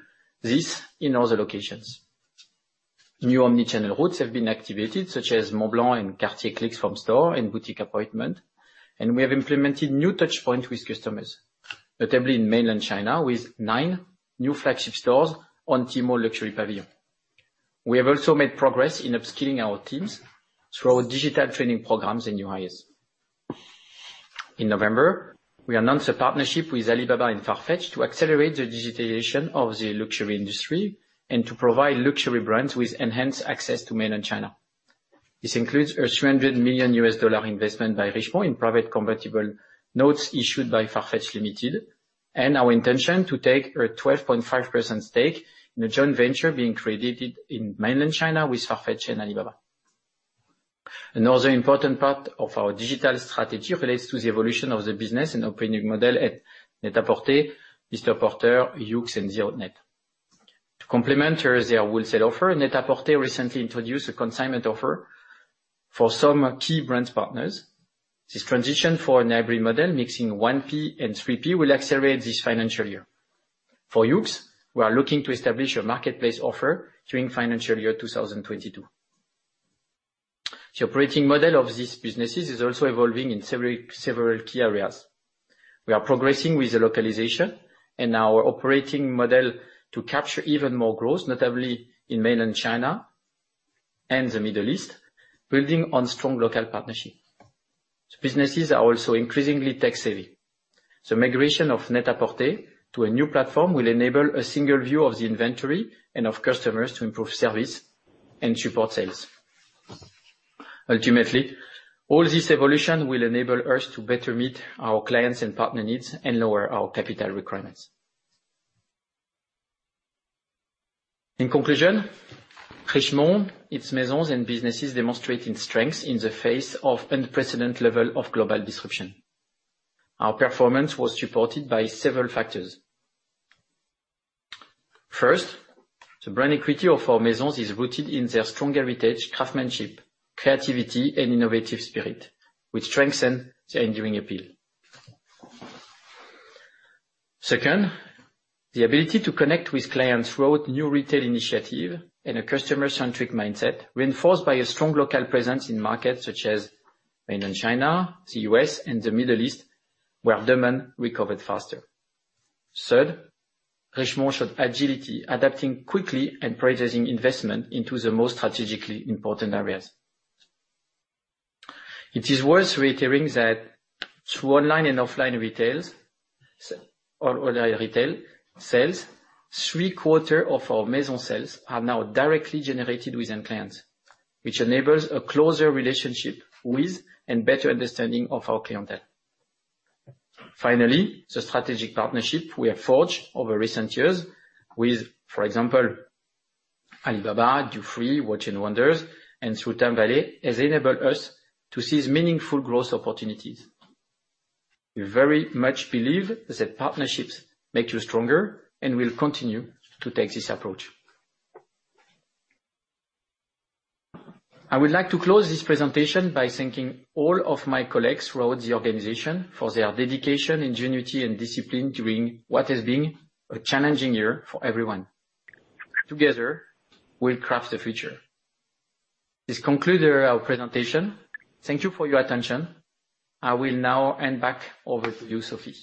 this in other locations. New omni-channel routes have been activated, such as Montblanc and Cartier click from store and boutique appointment, and we have implemented new touchpoints with customers, notably in mainland China with nine new flagship stores on Tmall Luxury Pavilion. We have also made progress in upskilling our teams through our digital training programs and UIAs. In November, we announced a partnership with Alibaba and Farfetch to accelerate the digitization of the luxury industry and to provide luxury brands with enhanced access to mainland China. This includes a $300 million investment by Richemont in private convertible notes issued by Farfetch Limited and our intention to take a 12.5% stake in a joint venture being created in mainland China with Farfetch and Alibaba. Another important part of our digital strategy relates to the evolution of the business and operating model at NET-A-PORTER, MR PORTER, YOOX, and The Outnet. To complement their wholesale offer, NET-A-PORTER recently introduced a consignment offer for some key brand partners. This transition for an every model mixing 1P and 3P will accelerate this financial year. For YOOX, we are looking to establish a marketplace offer during financial year 2022. The operating model of these businesses is also evolving in several key areas. We are progressing with the localization and our operating model to capture even more growth, notably in mainland China and the Middle East, building on strong local partnerships. These businesses are also increasingly tech-savvy. The migration of NET-A-PORTER to a new platform will enable a single view of the inventory and of customers to improve service and support sales. Ultimately, all this evolution will enable us to better meet our clients and partner needs and lower our capital requirements. In conclusion, Richemont, its maisons, and businesses demonstrated strength in the face of unprecedented level of global disruption. Our performance was supported by several factors. First, the brand equity of our maisons is rooted in their strong heritage, craftsmanship, creativity, and innovative spirit, which strengthened the enduring appeal. Second, the ability to connect with clients throughout new retail initiative and a customer-centric mindset reinforced by a strong local presence in markets such as mainland China, the U.S., and the Middle East, where demand recovered faster. Third, Richemont showed agility, adapting quickly and prioritizing investment into the most strategically important areas. It is worth reiterating that through online and offline retails or online retail sales, three-quarters of our Maison sales are now directly generated with end clients, which enables a closer relationship with and better understanding of our clientele. Finally, the strategic partnership we have forged over recent years with, for example, Alibaba, Dufry, Watches & Wonders, and TimeVallée has enabled us to seize meaningful growth opportunities. We very much believe that partnerships make you stronger, and we'll continue to take this approach. I would like to close this presentation by thanking all of my colleagues throughout the organization for their dedication, ingenuity, and discipline during what has been a challenging year for everyone. Together, we'll craft the future. This concludes our presentation. Thank you for your attention. I will now hand back over to you, Sophie.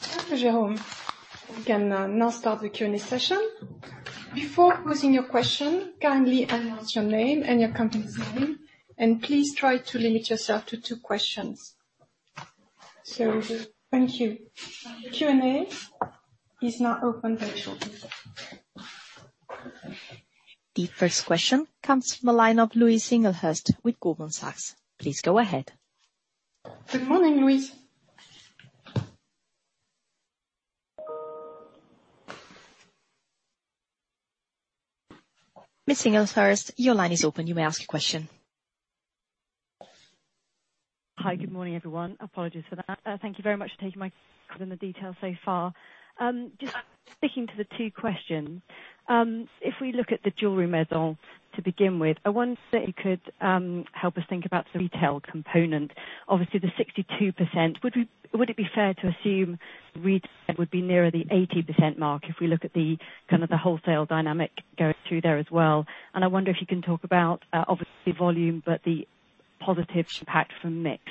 Thank you, Jérôme. We can now start the Q&A session. Before posing your question, kindly announce your name and your company's name, and please try to limit yourself to two questions. Thank you. Q&A is now open. The first question comes from the line of Louise Singlehurst with Goldman Sachs. Please go ahead. Good morning, Louise. Ms. Singlehurst, your line is open. You may ask your question. Hi. Good morning, everyone. Apologies for that. Thank you very much for taking my call and the details so far. Just sticking to the two questions, if we look at the jewellery Maison to begin with, I wonder if you could help us think about the retail component. Obviously, the 62%, would it be fair to assume retail would be nearer the 80% mark if we look at the wholesale dynamic going through there as well? I wonder if you can talk about obviously volume, but the positive impact from mix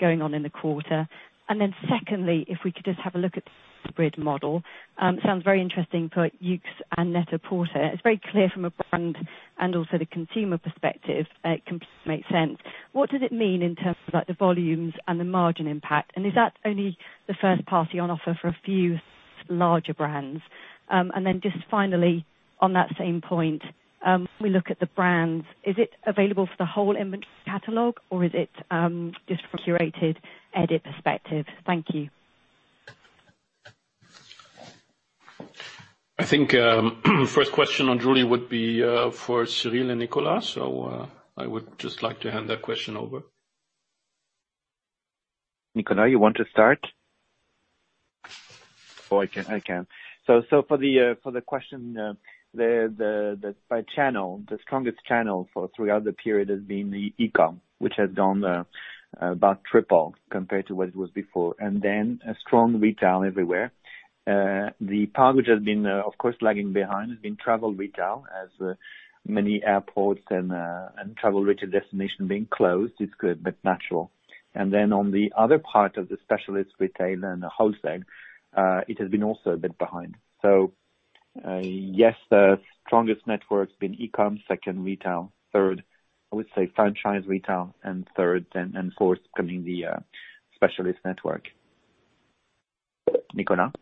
going on in the quarter. Secondly, if we could just have a look at the hybrid model. Sounds very interesting for YOOX and NET-A-PORTER. It's very clear from a brand and also the consumer perspective, it completely makes sense. What does it mean in terms of the volumes and the margin impact? Is that only the first party on offer for a few larger brands? Then just finally, on that same point, we look at the brands. Is it available for the whole inventory catalog, or is it just from a curated edit perspective? Thank you. I think the first question on jewelry would be for Cyrille and Nicolas, so I would just like to hand that question over. Nicolas, you want to start? Or I can. For the question by channel, the strongest channel for throughout period has been the e-com, which has gone about triple compared to what it was before, a strong retail everywhere. The part which has been, of course, lagging behind has been travel retail as many airports and travel retail destinations being closed. It's good, natural. On the other part of the specialist retailer and the wholesale, it has been also a bit behind. Yes, the strongest network has been e-com, second retail, third, I would say franchise retail, and fourth coming the specialist network. Nicolas?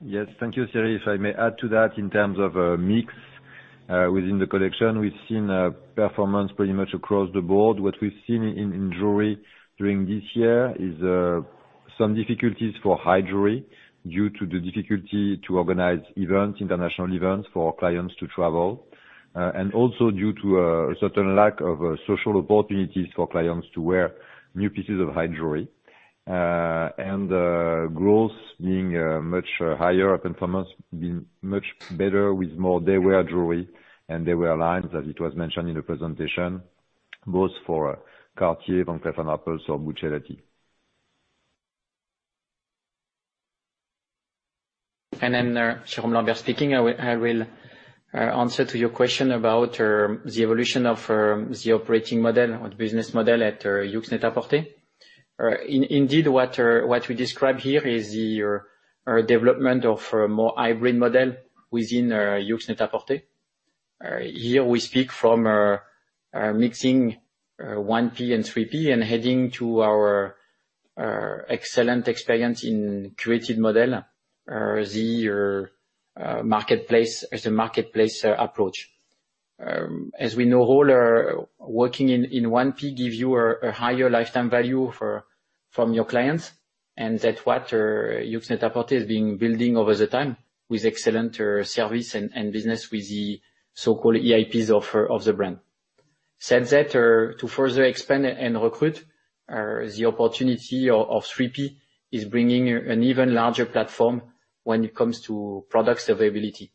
Yes. Thank you, Cyrille. If I may add to that in terms of mix within the collection, we've seen a performance pretty much across the board. What we've seen in jewelry during this year is some difficulties for high jewelry due to the difficulty to organize events, international events, for our clients to travel, and also due to a certain lack of social opportunities for clients to wear new pieces of high jewelry. Growth being much higher, performance being much better with more day-wear jewelry and day-wear lines, as it was mentioned in the presentation, both for Cartier, Van Cleef & Arpels or Buccellati. Jérôme Lambert speaking. I will answer to your question about the evolution of the operating model or business model at YOOX Net-a-Porter. Indeed, what we describe here is the development of a more hybrid model within YOOX Net-a-Porter. Here we speak from mixing 1P and 3P and heading to our excellent experience in creative model, the marketplace as a marketplace approach. As we know all, working in 1P gives you a higher lifetime value from your clients, and that's what YOOX Net-a-Porter has been building over the time with excellent service and business with the so-called EIPs offer of the brand. Said that, to further expand and recruit, the opportunity of 3P is bringing an even larger platform when it comes to product availability.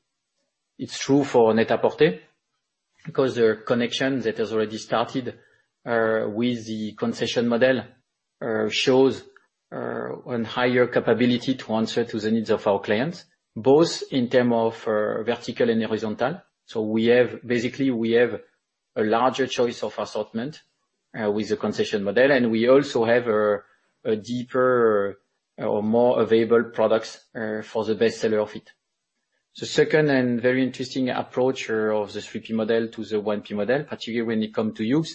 It's true for NET-A-PORTER, because the connection that has already started with the concession model shows a higher capability to answer to the needs of our clients, both in terms of vertical and horizontal. Basically, we have a larger choice of assortment with the concession model, and we also have a deeper or more available products for the bestseller fit. The second and very interesting approach of the 3P model to the 1P model, particularly when it comes to YOOX,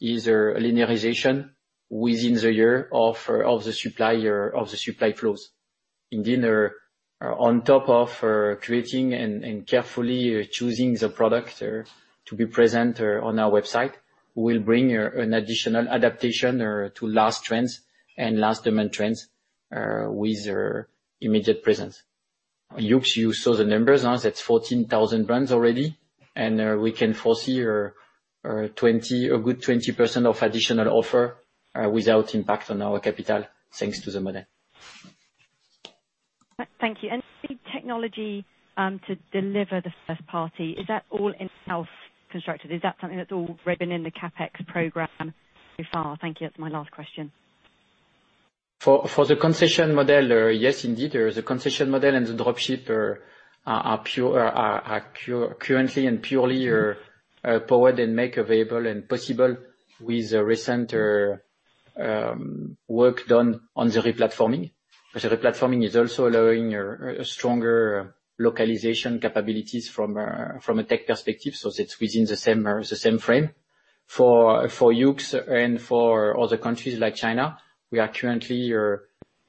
is linearization within the year of the supply clause. On top of creating and carefully choosing the product to be present on our website, we will bring an additional adaptation to last trends and last demand trends with immediate presence. You saw the numbers, that's 14,000 brands already, and we can foresee a good 20% of additional offer without impact on our capital, thanks to the model. Thank you. The technology to deliver the first party, is that all in-house constructed? Is that something that's all within the CapEx program so far? Thank you. That's my last question. For the concession model, yes, indeed. The concession model and the drop ship are currently and purely powered and made available and possible with the recent work done on the re-platforming. The re-platforming is also allowing stronger localization capabilities from a tech perspective, so that's within the same frame. For YOOX and for other countries like China, we are currently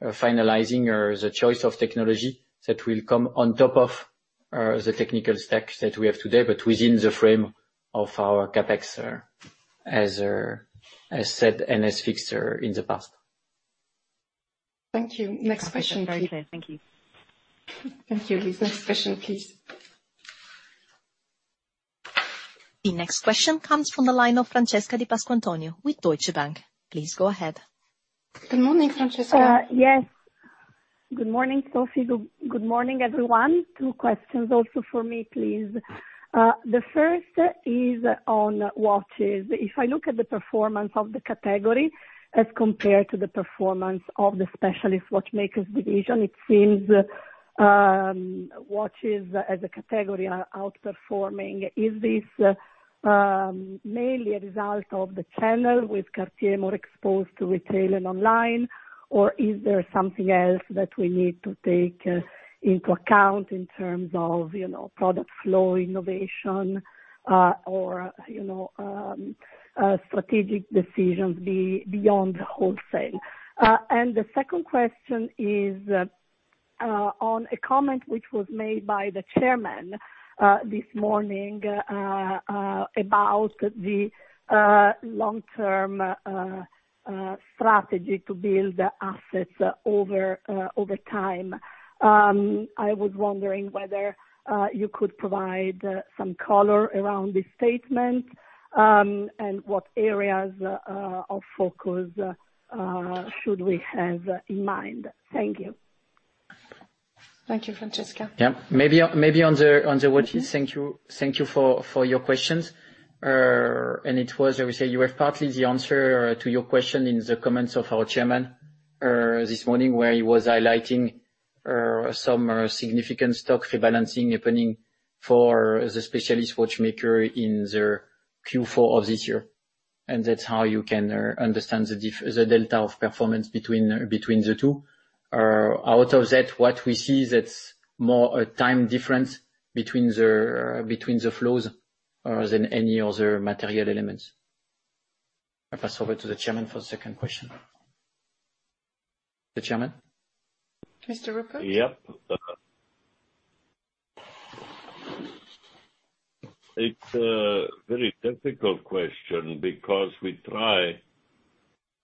finalizing the choice of technology that will come on top of the technical stacks that we have today, but within the frame of our CapEx, as said, and as fixed in the past. Thank you. Next question. Thank you. Thank you. Next question, please. The next question comes from the line of Francesca Di Pasquantonio with Deutsche Bank. Please go ahead. Good morning, Francesca. Yes. Good morning, Sophie. Good morning, everyone. Two questions also from me, please. The first is on watches. If I look at the performance of the category as compared to the performance of the Specialist Watchmakers division, it seems watches as a category are outperforming. Is this mainly a result of the channel with Cartier more exposed to retail and online, or is there something else that we need to take into account in terms of product flow innovation, or strategic decisions beyond the wholesale? The second question is on a comment which was made by the chairman this morning about the long-term strategy to build assets over time. I was wondering whether you could provide some color around this statement, and what areas of focus should we have in mind? Thank you. Thank you, Francesca. Yeah. Maybe on the watches. Thank you for your questions. It was, as I said, you have partly the answer to your question in the comments of our Chairman this morning, where he was highlighting some significant stock rebalancing happening for the Specialist Watchmaker in the Q4 of this year. That's how you can understand the delta of performance between the two. Out of that, what we see, that's more a time difference between the flows than any other material elements. I pass over to the Chairman for the second question. The Chairman. Mr. Rupert? Yep. It's a very difficult question because we try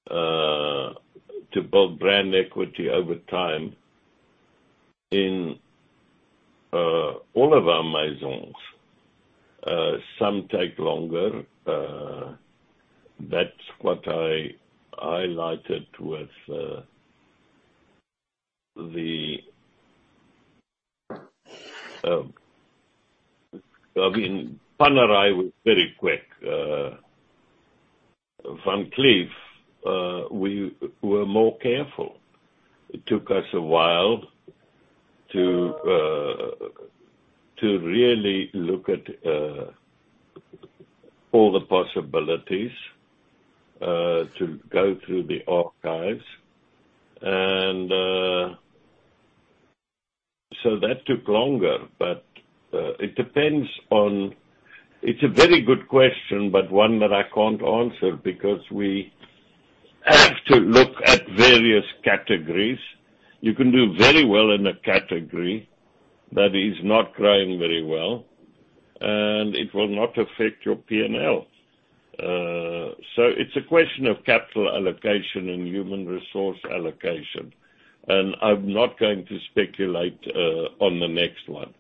to build brand equity over time in all of our maisons. Some take longer. That's what I highlighted with the I mean, Panerai was very quick. Van Cleef, we were more careful. It took us a while to really look at all the possibilities, to go through the archives. That took longer, but it depends on. It's a very good question, but one that I can't answer because we have to look at various categories. You can do very well in a category that is not growing very well, and it will not affect your P&L. It's a question of capital allocation and human resource allocation. I'm not going to speculate on the next one.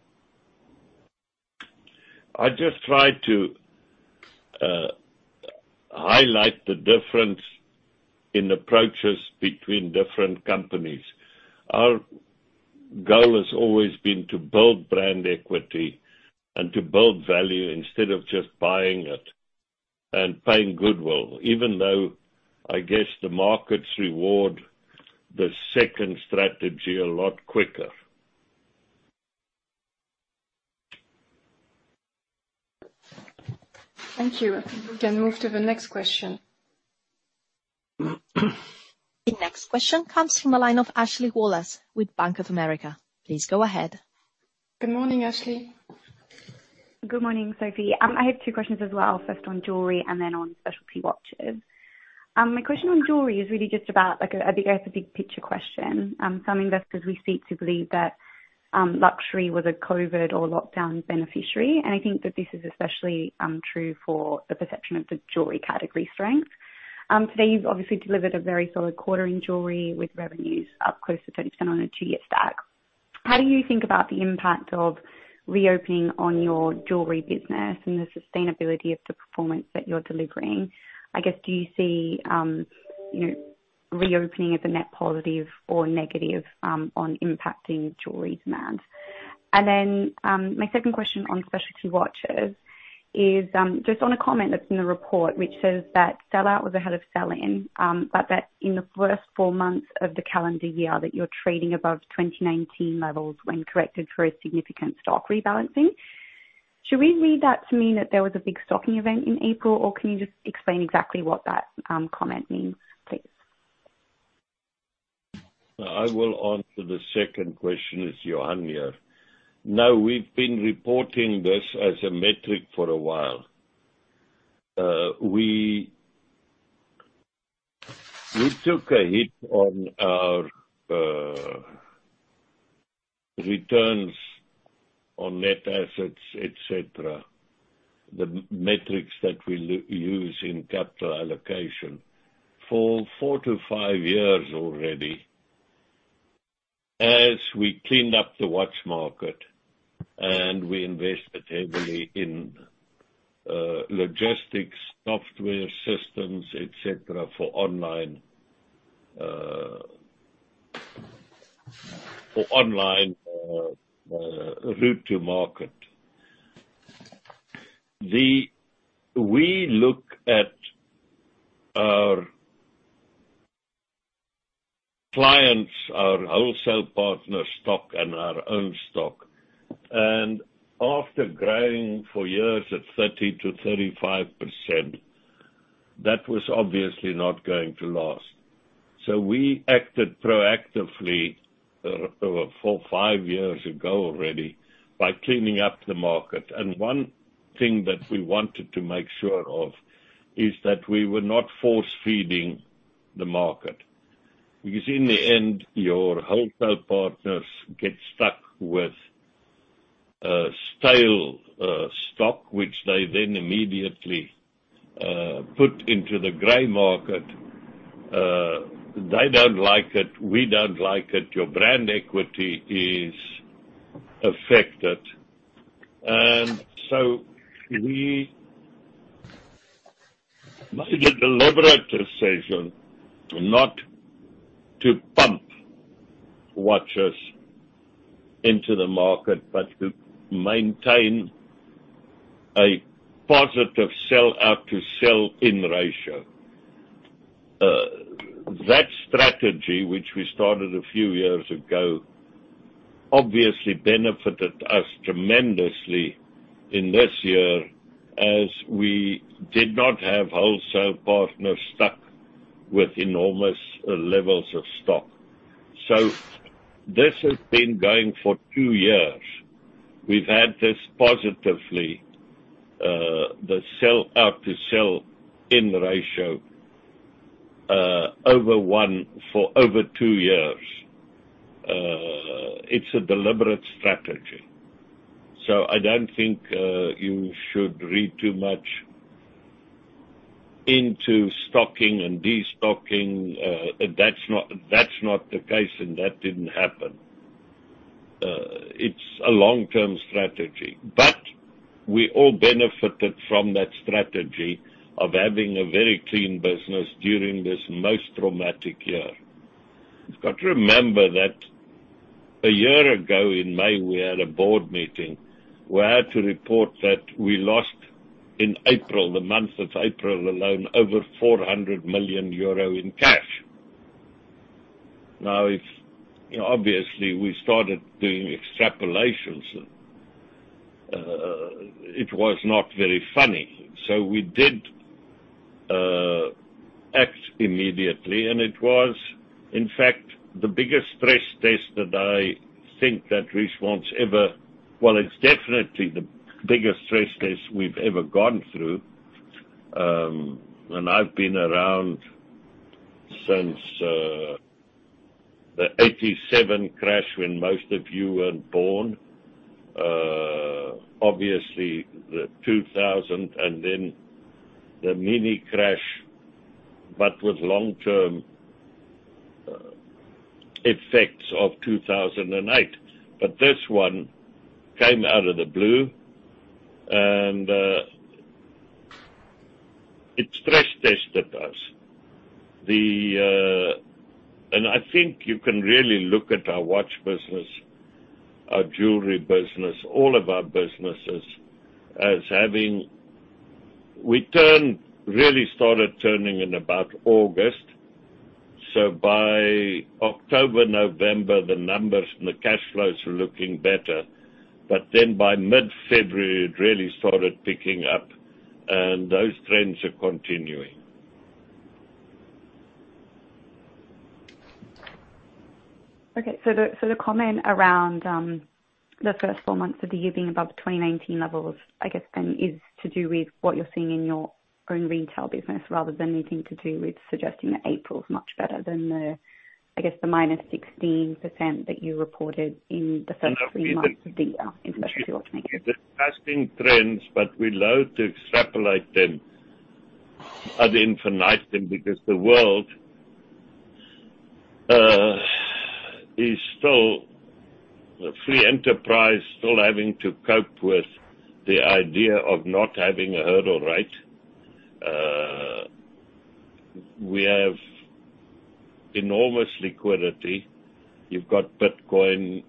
I just try to highlight the difference in approaches between different companies. Our goal has always been to build brand equity and to build value instead of just buying it and paying goodwill, even though I guess the markets reward the second strategy a lot quicker. Thank you. We can move to the next question. The next question comes from the line of Ashley Wallace with Bank of America. Please go ahead. Good morning, Ashley. Good morning, Sophie. I have two questions as well. First on jewelry and then on specialty watches. My question on jewelry is really just about, I guess, a big picture question. Some investors we speak to believe that luxury was a COVID or lockdown beneficiary. I think that this is especially true for the perception of the jewelry category strength. Today, you've obviously delivered a very solid quarter in jewelry with revenues up close to 10% on a two-year stack. How do you think about the impact of reopening on your jewelry business and the sustainability of the performance that you're delivering? I guess, do you see reopening as a net positive or negative on impacting jewelry demand? My second question on specialty watches is just on a comment that's in the report which says that sell-out was ahead of sell-in, but that in the first four months of the calendar year that you're trading above 2019 levels when corrected for a significant stock rebalancing. Should we read that to mean that there was a big stocking event in April, or can you just explain exactly what that comment means, please? I will answer the second question as Johann here. We've been reporting this as a metric for a while. We took a hit on our returns on net assets, et cetera, the metrics that we use in capital allocation for four to five years already as we cleaned up the watch market and we invested heavily in logistics, software systems, et cetera, for online route to market. We look at our clients, our wholesale partners' stock, and our own stock. After growing for years at 30%-35%, that was obviously not going to last. We acted proactively four, five years ago already by cleaning up the market. One thing that we wanted to make sure of is that we were not force-feeding the market. In the end, your wholesale partners get stuck with stale stock, which they then immediately put into the gray market. They don't like it. We don't like it. Your brand equity is affected. We made a deliberate decision not to pump watches into the market, but to maintain a positive sell out to sell-in ratio. That strategy, which we started a few years ago, obviously benefited us tremendously in this year as we did not have wholesale partners stuck with enormous levels of stock. This has been going for two years. We've had this positively, the sell out to sell-in ratio, for over two years. It's a deliberate strategy. I don't think you should read too much into stocking and destocking. That's not the case, and that didn't happen. It's a long-term strategy. We all benefited from that strategy of having a very clean business during this most dramatic year. You got to remember that a year ago in May, we had a board meeting where I had to report that we lost in April, the month of April alone, over 400 million euro in cash. Obviously, we started doing extrapolations, it was not very funny. We did act immediately, it was, in fact, the biggest stress test that I think that Richemont's ever. Well, it's definitely the biggest stress test we've ever gone through. I've been around since the 1987 crash when most of you weren't born. Obviously, the 2000 and then the mini crash, but with long-term effects of 2008. This one came out of the blue, it stress-tested us. I think you can really look at our watch business, our jewelry business, all of our businesses as having. We really started turning in about August. By October, November, the numbers and the cash flows were looking better. By mid-February, it really started picking up, and those trends are continuing. The comment around the first four months of the year being above 2019 levels, I guess then is to do with what you're seeing in your growing retail business rather than anything to do with suggesting that April is much better than the, I guess, the -16% that you reported in the first three months of the year, I think that's what you're saying. We're discussing trends, but we loathe to extrapolate them, other than for nice things, because the world is still a free enterprise, still having to cope with the idea of not having a hurdle rate. We have enormous liquidity. You've got Bitcoin.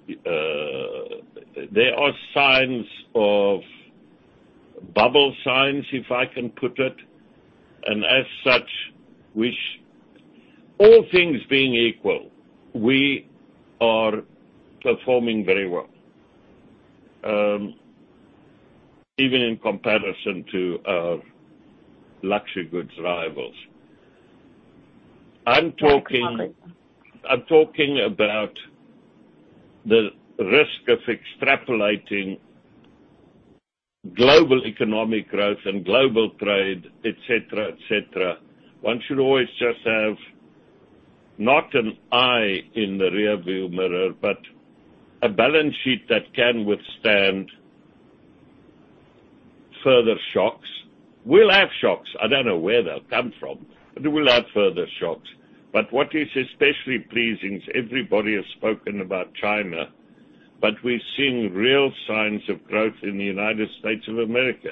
There are signs of bubble signs, if I can put it, and as such, which all things being equal, we are performing very well, even in comparison to our luxury goods rivals. I'm talking about the risk of extrapolating global economic growth and global trade, et cetera. One should always just have not an eye in the rear-view mirror, but a balance sheet that can withstand further shocks. We'll have shocks. I don't know where they'll come from, but we'll have further shocks. What is especially pleasing is everybody has spoken about China, but we've seen real signs of growth in the United States of America.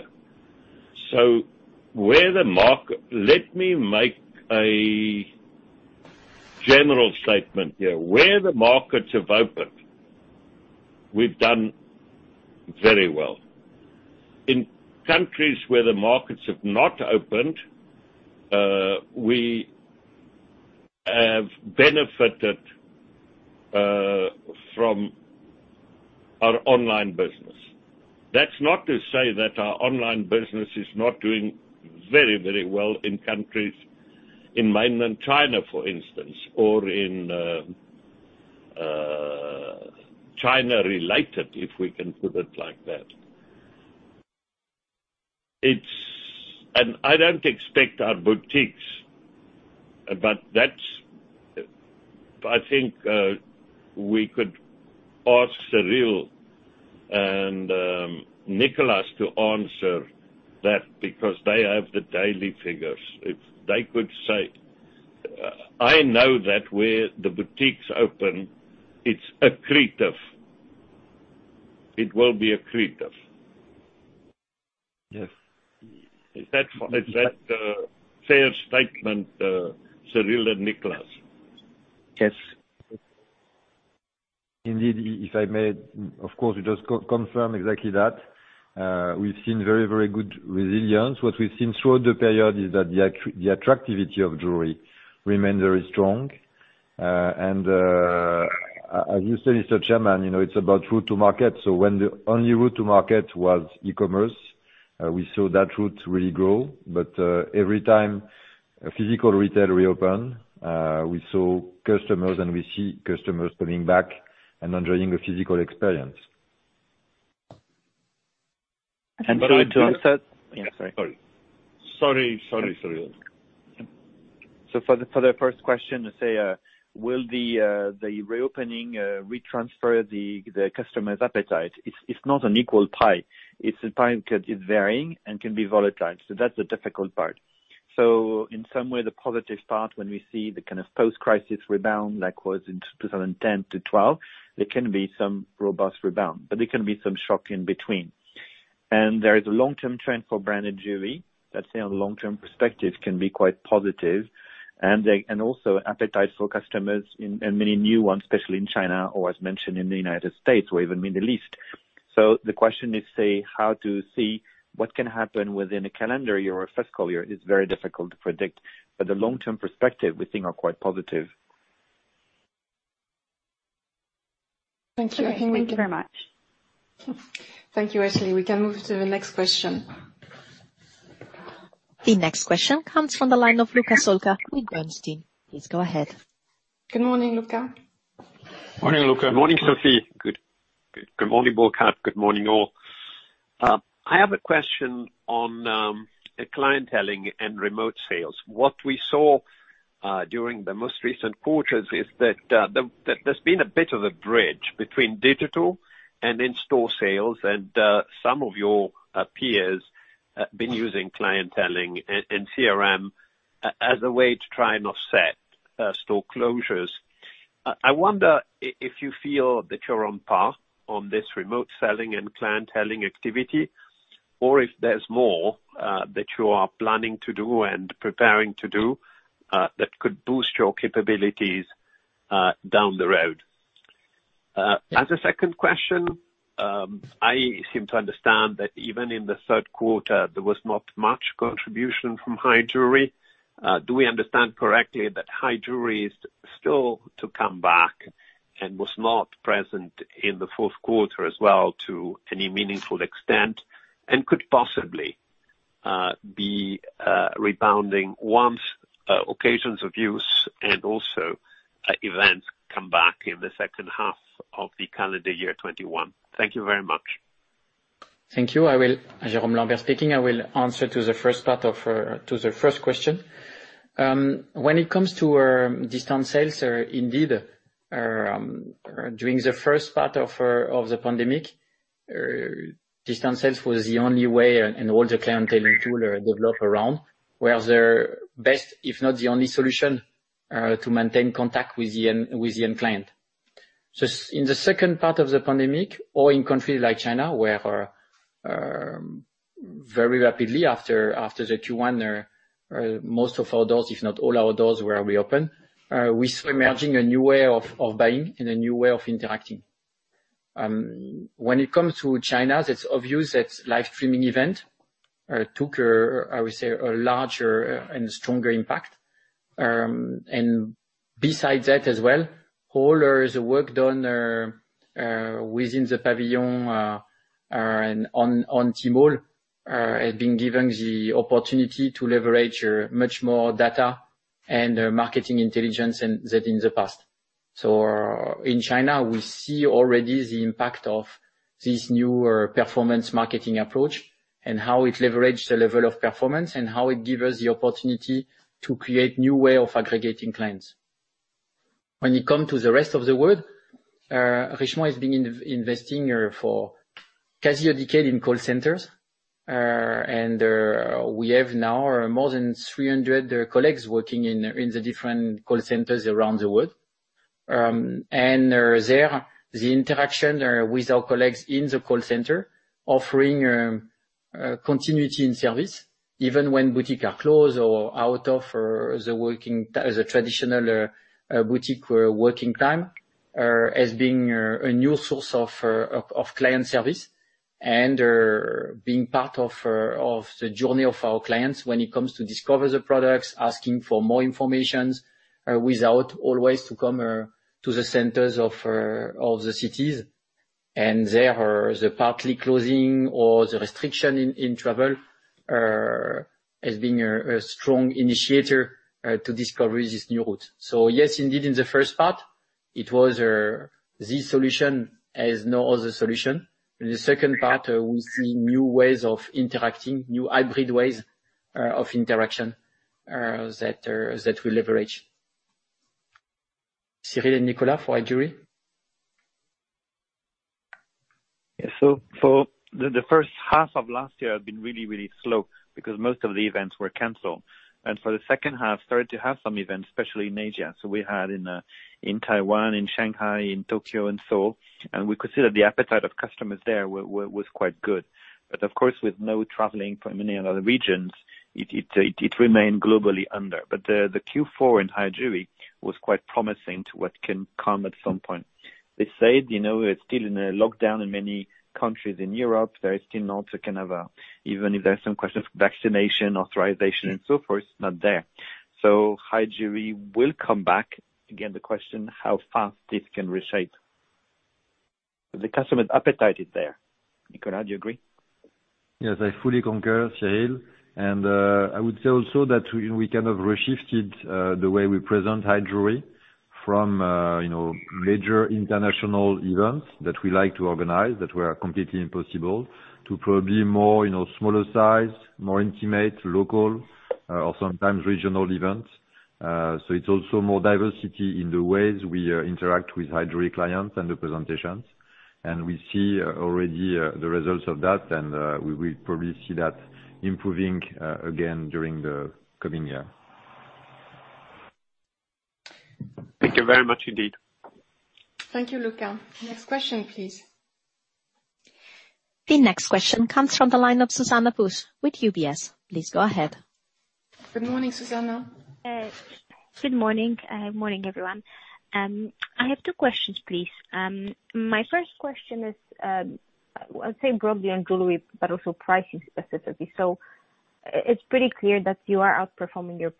Let me make a general statement here. Where the markets have opened, we've done very well. In countries where the markets have not opened, we have benefited from our online business. That's not to say that our online business is not doing very well in countries, in mainland China, for instance, or in China-related, if we can put it like that. I don't expect our boutiques, but that's, I think, we could ask Cyrille and Nicolas to answer that because they have the daily figures. They could say. I know that where the boutiques open, it's accretive. It will be accretive. Yes. Is that a fair statement, Cyrille and Nicolas? Yes. Indeed, if I may, of course, just confirm exactly that. We've seen very good resilience. What we've seen throughout the period is that the attractiveness of jewelry remained very strong. As you said, Mr. Chairman, it's about route to market. When the only route to market was e-commerce, we saw that route really grow. Every time physical retail reopen, we saw customers and we see customers coming back and enjoying a physical experience. Cyril to offset- Yeah, sorry. Sorry, Cyril. For the first question, to say will the reopening retransfer the customer's appetite? It's not an equal pie. It's a pie because it's varying and can be volatile. That's the difficult part. In some way, the positive part, when we see the kind of post-crisis rebound that was in 2010-2012, there can be some robust rebound, but there can be some shock in between. There is a long-term trend for brand and jewelry. Let's say on a long-term perspective can be quite positive, and also appetite for customers in many new ones, especially in China or as mentioned in the U.S. or even Middle East. The question is say how to see what can happen within a calendar year or a fiscal year is very difficult to predict, but the long-term perspective we think are quite positive. Thank you. Thank you very much. Thank you, Cyril. We can move to the next question. The next question comes from the line of Luca Solca with Bernstein. Please go ahead. Good morning, Luca. Morning, Luca. Morning, Sophie. Good morning, Burkhart. Good morning, all. I have a question on clienteling and remote sales. What we saw during the most recent quarters is that there's been a bit of a bridge between digital and in-store sales, and some of your peers have been using clienteling and CRM as a way to try and offset store closures. I wonder if you feel that you're on par on this remote selling and clienteling activity, or if there's more that you are planning to do and preparing to do that could boost your capabilities down the road. As a second question, I seem to understand that even in the third quarter, there was not much contribution from high jewelry. Do we understand correctly that high jewelry is still to come back and was not present in the fourth quarter as well to any meaningful extent and could possibly be rebounding once occasions of use and also events come back in the second half of the calendar year 2021. Thank you very much. Thank you. Jérôme Lambert speaking. I will answer to the first question. When it comes to our distance sales, indeed, during the first part of the pandemic, distance sales was the only way, and all the client-facing tool developed around, were the best, if not the only solution, to maintain contact with the end client. In the second part of the pandemic, or in countries like China, where very rapidly after the Q1, most of our doors, if not all our doors were reopened, we saw emerging a new way of buying and a new way of interacting. When it comes to China, that's obvious that live streaming event took, I would say, a larger and stronger impact. Besides that as well, all the work done within the pavilion and on Tmall, have been given the opportunity to leverage much more data and marketing intelligence than in the past. In China, we see already the impact of this new performance marketing approach, and how it leverages the level of performance, and how it gives us the opportunity to create new way of aggregating clients. When it comes to the rest of the world, Richemont has been investing for close to a decade in call centers, and we have now more than 300 colleagues working in the different call centers around the world. There, the interaction with our colleagues in the call center, offering continuity in service, even when boutique are closed or out of the traditional boutique working time, has been a new source of client service. Being part of the journey of our clients when it comes to discover the products, asking for more information, without always to come to the centers of the cities. There, the partly closing or the restriction in travel, has been a strong initiator to discover this new route. Yes, indeed, in the first part, it was this solution as no other solution. In the second part, we see new ways of interacting, new hybrid ways of interaction that we leverage. Cyril and Nicolas for High Jewelry? The first half of last year had been really, really slow because most of the events were canceled. For the second half, started to have some events, especially in Asia. We had in Taiwan, in Shanghai, in Tokyo, and Seoul, and we could see that the appetite of customers there was quite good. Of course, with no traveling from any other regions, it remained globally under. The Q4 in High Jewelry was quite promising to what can come at some point. They said, we are still in a lockdown in many countries in Europe. There is still not a kind of a, even if there's some questions of vaccination, authorization, and so forth, it's not there. High Jewelry will come back. Again, the question, how fast this can reshape. The customer appetite is there. Nicolas, do you agree? Yes, I fully concur, Cyrille. I would say also that we kind of reshifted the way we present High Jewelry from major international events that we like to organize, that were completely impossible, to probably more smaller size, more intimate, local, or sometimes regional events. It's also more diversity in the ways we interact with High Jewelry clients and the presentations. We see already the results of that, and we will probably see that improving again during the coming year. Thank you very much, indeed. Thank you, Luca. Next question, please. The next question comes from the line of Zuzanna Pusz with UBS. Please go ahead. Good morning, Zuzanna. Good morning. Morning, everyone. I have two questions, please. My first question is, I think globally and jewelry, also pricing specifically. It's pretty clear that you are outperforming your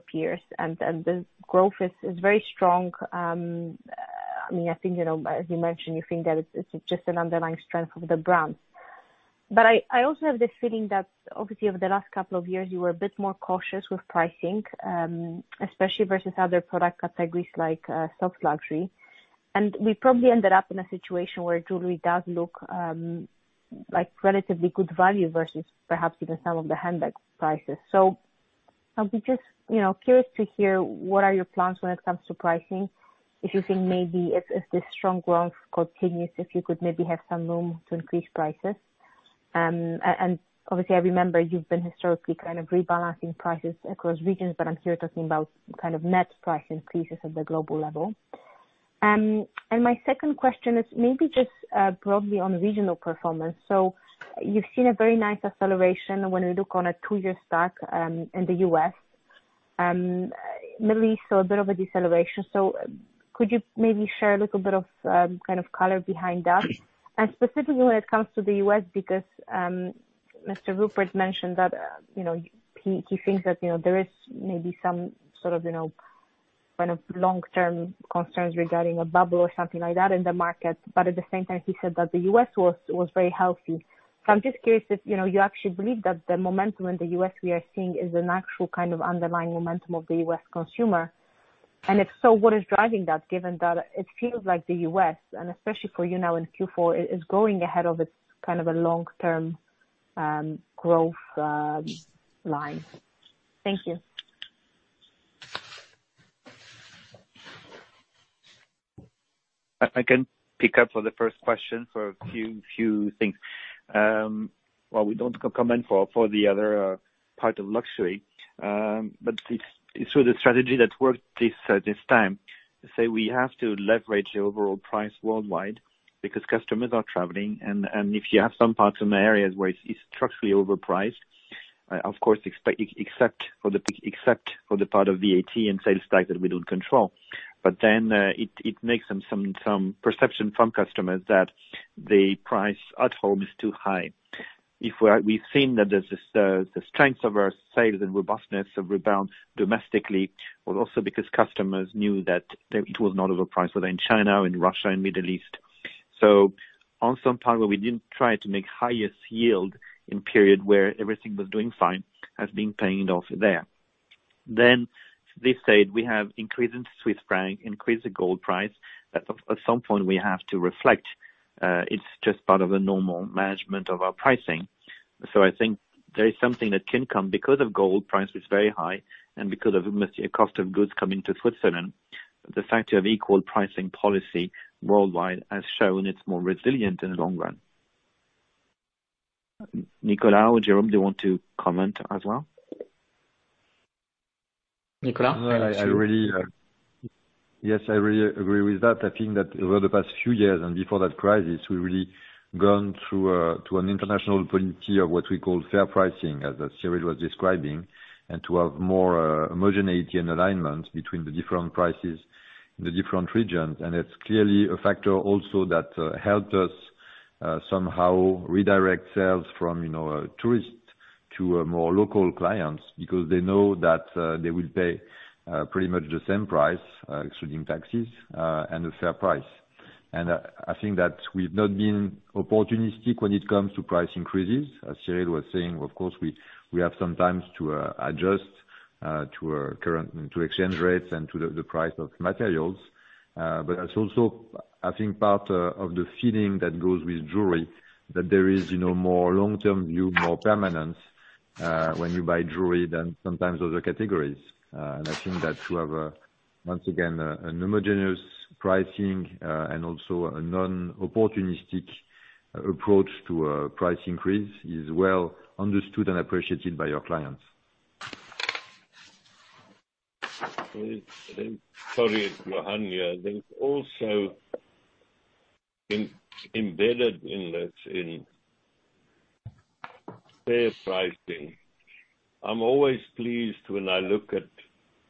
peers, and the growth is very strong. I think, as you mentioned, you think that it's just an underlying strength of the brands. I also have this feeling that obviously over the last couple of years, you were a bit more cautious with pricing, especially versus other product categories like soft luxury. We probably ended up in a situation where jewelry does look like relatively good value versus perhaps even some of the handbag prices. I'll be just curious to hear what are your plans when it comes to pricing. If you think maybe if this strong growth continues, if you could maybe have some room to increase prices. Obviously, I remember you've been historically kind of rebalancing prices across regions, but I'm here talking about net price increases at the global level. My second question is maybe just probably on regional performance. You've seen a very nice acceleration when you look on a two-year stack in the U.S., and lately, saw a bit of a deceleration. Could you maybe share a little bit of kind of color behind that? Specifically when it comes to the U.S., because Mr. Rupert mentioned that he thinks that there is maybe Kind of long-term concerns regarding a bubble or something like that in the market. At the same time, he said that the U.S. was very healthy. I'm just curious if you actually believe that the momentum in the U.S. we are seeing is an actual kind of underlying momentum of the U.S. consumer, and if so, what is driving that, given that it feels like the U.S. and especially for in Q4, it is going ahead of its kind of a long-term growth line. Thank you. I can pick up for the first question for a few things. We don't comment for the other part of luxury, the strategy that worked this time, say we have to leverage the overall price worldwide because customers are traveling, and if you have some parts in the areas where it's structurally overpriced, of course, except for the part of VAT and sales tax that we don't control, it makes some perception from customers that the price at home is too high. We've seen that the strength of our sales and robustness of rebound domestically was also because customers knew that it was not overpriced within China, in Russia, and Middle East. On some part where we didn't try to make highest yield in period where everything was doing fine has been paying off there. They said we have increase in Swiss franc, increase in gold price. At some point, we have to reflect. It's just part of the normal management of our pricing. I think there is something that can come because of gold price is very high and because of, obviously, cost of goods coming to fulfillment. The factor of equal pricing policy worldwide has shown it's more resilient in the long run. Nicolas or Jérôme, do you want to comment as well? Nicolas? Yes, I really agree with that. I think that over the past few years and before that crisis, we've really gone through to an international policy of what we call fair pricing, as Cyril was describing, and to have more homogeneity and alignment between the different prices in the different regions. It's clearly a factor also that helped us somehow redirect sales from tourists to more local clients because they know that they will pay pretty much the same price, excluding taxes, and a fair price. I think that we've not been opportunistic when it comes to price increases. As Cyrille was saying, of course, we have sometimes to adjust to exchange rates and to the price of materials. It is also, I think, part of the feeling that goes with jewelry, that there is more long-term view, more permanence when you buy jewelry than sometimes other categories. I think that to have, once again, a homogeneous pricing and also a non-opportunistic approach to a price increase is well understood and appreciated by our clients. Sorry to go on here. I think also embedded in fair pricing, I am always pleased when I look at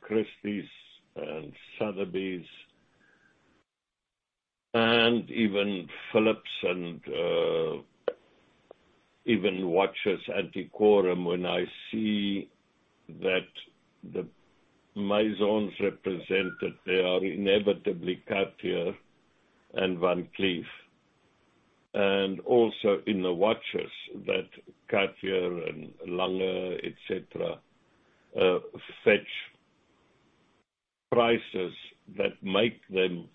Christie's and Sotheby's and even Phillips and even watches Antiquorum, when I see that the maisons represented, they are inevitably Cartier and Van Cleef, and also in the watches that Cartier and Lange, et cetera, fetch prices that make them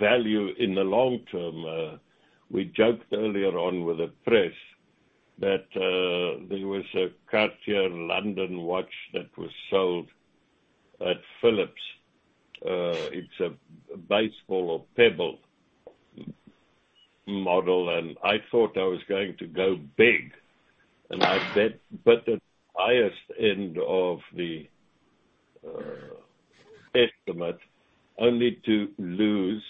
value in the long term. We joked earlier on with the press that there was a Cartier London watch that was sold at Phillips. It is a baseball or pebble model, I thought I was going to go big, I bet the highest end of the estimate only to lose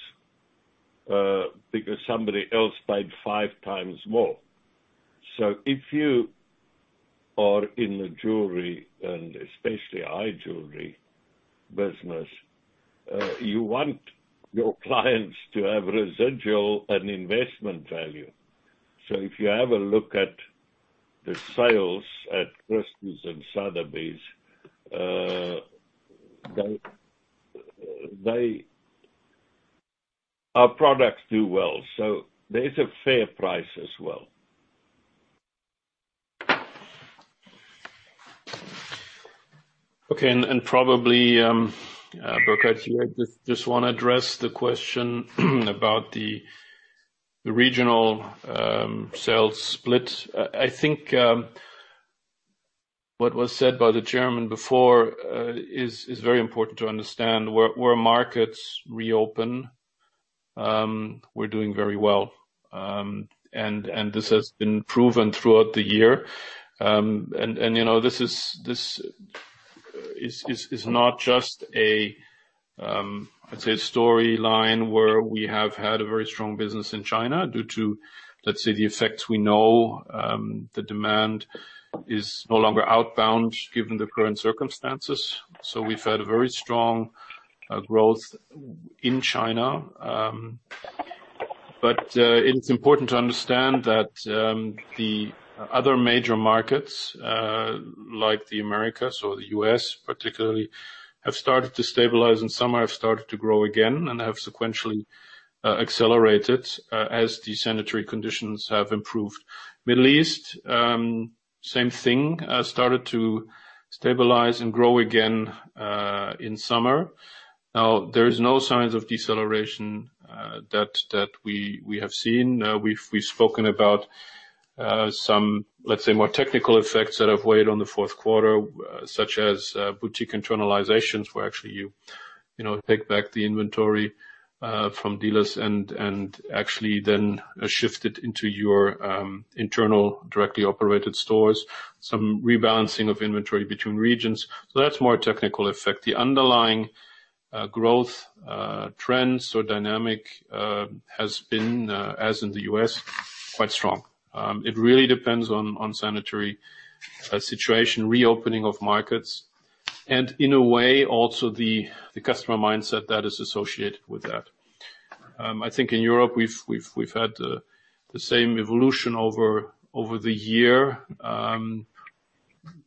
because somebody else paid five times more. If you are in the jewelry and especially high jewelry business, you want your clients to have residual and investment value. If you have a look at the sales at Christie's and Sotheby's, our products do well. There's a fair price as well. Probably, Burkhart, I just want to address the question about the regional sales split. I think what was said by the chairman before is very important to understand. Where markets reopen, we're doing very well, and this has been proven throughout the year. This is not just a, I'd say, storyline where we have had a very strong business in China due to, let's say, the effects we know the demand is no longer outbound given the current circumstances. We've had a very strong growth in China. It's important to understand that the other major markets, like the Americas or the U.S. particularly, have started to stabilize, and some have started to grow again and have sequentially accelerated as the sanitary conditions have improved. Middle East, same thing, started to stabilize and grow again in summer. There is no signs of deceleration that we have seen. We've spoken about some, let's say, more technical effects that have weighed on the fourth quarter, such as boutique internalizations, where actually you take back the inventory from dealers and actually then shift it into your internal directly operated stores, some rebalancing of inventory between regions. That's a more technical effect. The underlying growth trends or dynamic has been, as in the U.S., quite strong. It really depends on sanitary situation, reopening of markets, and in a way, also the customer mindset that is associated with that. I think in Europe, we've had the same evolution over the year.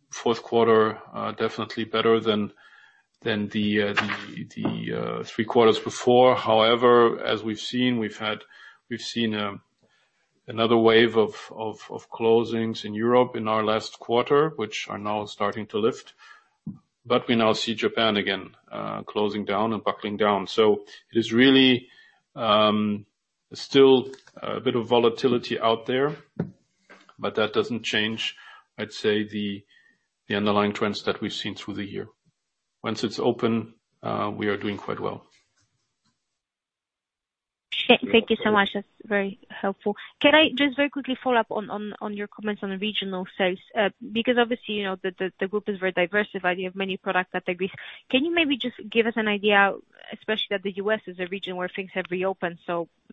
Fourth quarter, definitely better than the three quarters before. As we've seen, we've seen another wave of closings in Europe in our last quarter, which are now starting to lift. We now see Japan again, closing down and buckling down. It is really still a bit of volatility out there, but that doesn't change, I'd say, the underlying trends that we've seen through the year. Once it's open, we are doing quite well. Thank you so much. That's very helpful. Can I just very quickly follow up on your comments on regional sales? Obviously, the group is very diversified. You have many product categories. Can you maybe just give us an idea, especially that the U.S. is a region where things have reopened,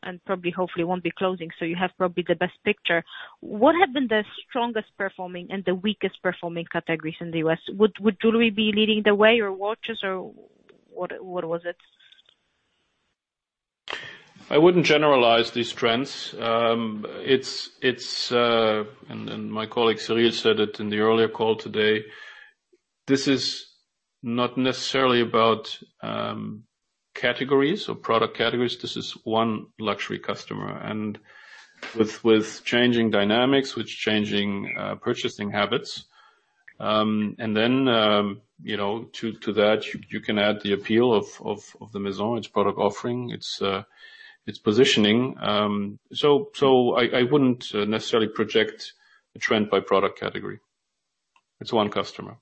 and probably, hopefully, won't be closing, so you have probably the best picture. What have been the strongest performing and the weakest performing categories in the U.S.? Would jewelry be leading the way or watches? What was it? I wouldn't generalize these trends. My colleague, Cyrille, said it in the earlier call today, this is not necessarily about categories or product categories. This is one luxury customer. With changing dynamics, with changing purchasing habits, then to that, you can add the appeal of the Maison, its product offering, its positioning. I wouldn't necessarily project a trend by product category. It's one customer.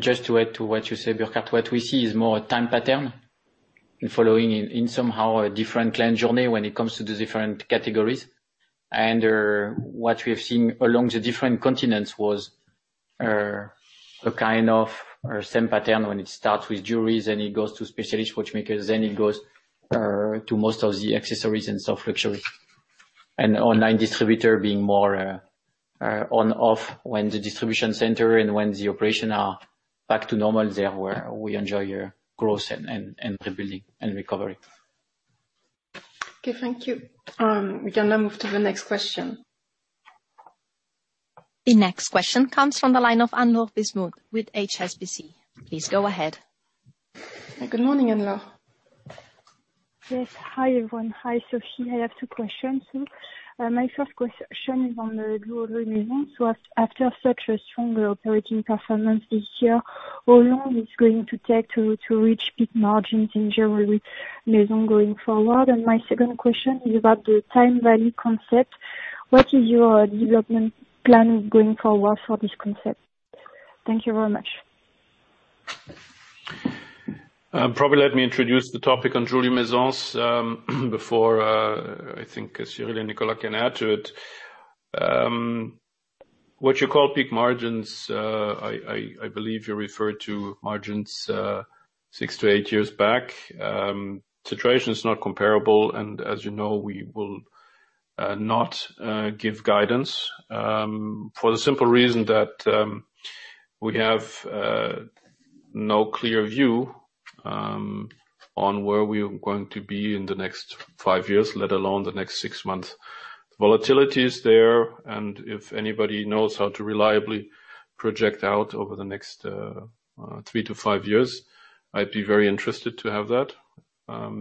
Just to add to what you said, Burkhart Grund, what we see is more a time pattern following in somehow a different plan journey when it comes to the different categories. What we've seen along the different continents was a kind of same pattern when it starts with jewelries, then it goes to Specialist Watchmakers, then it goes to most of the accessories and soft luxury, and online distributor being more on/off when the distribution center and when the operation are back to normal there, where we enjoy growth and rebuilding and recovery. Okay, thank you. We can now move to the next question. The next question comes from the line of Amna Aziz Noor with HSBC. Please go ahead. Good morning, Amna. Yes. Hi, everyone. Hi, Sophie. I have two questions. My first question is on the global Maison. After such a stronger operating performance this year, how long it's going to take to reach peak margins in Jewellery Maison going forward? My second question is about the TimeVallée concept. What is your development plan going forward for this concept? Thank you very much. Let me introduce the topic on Jewelry Maisons before I think Cyrille and Nicolas can add to it. What you call peak margins, I believe you refer to margins six to eight years back. Situation is not comparable, as you know, we will not give guidance, for the simple reason that we have no clear view on where we are going to be in the next five years, let alone the next six months. Volatility is there, if anybody knows how to reliably project out over the next three to five years, I'd be very interested to have that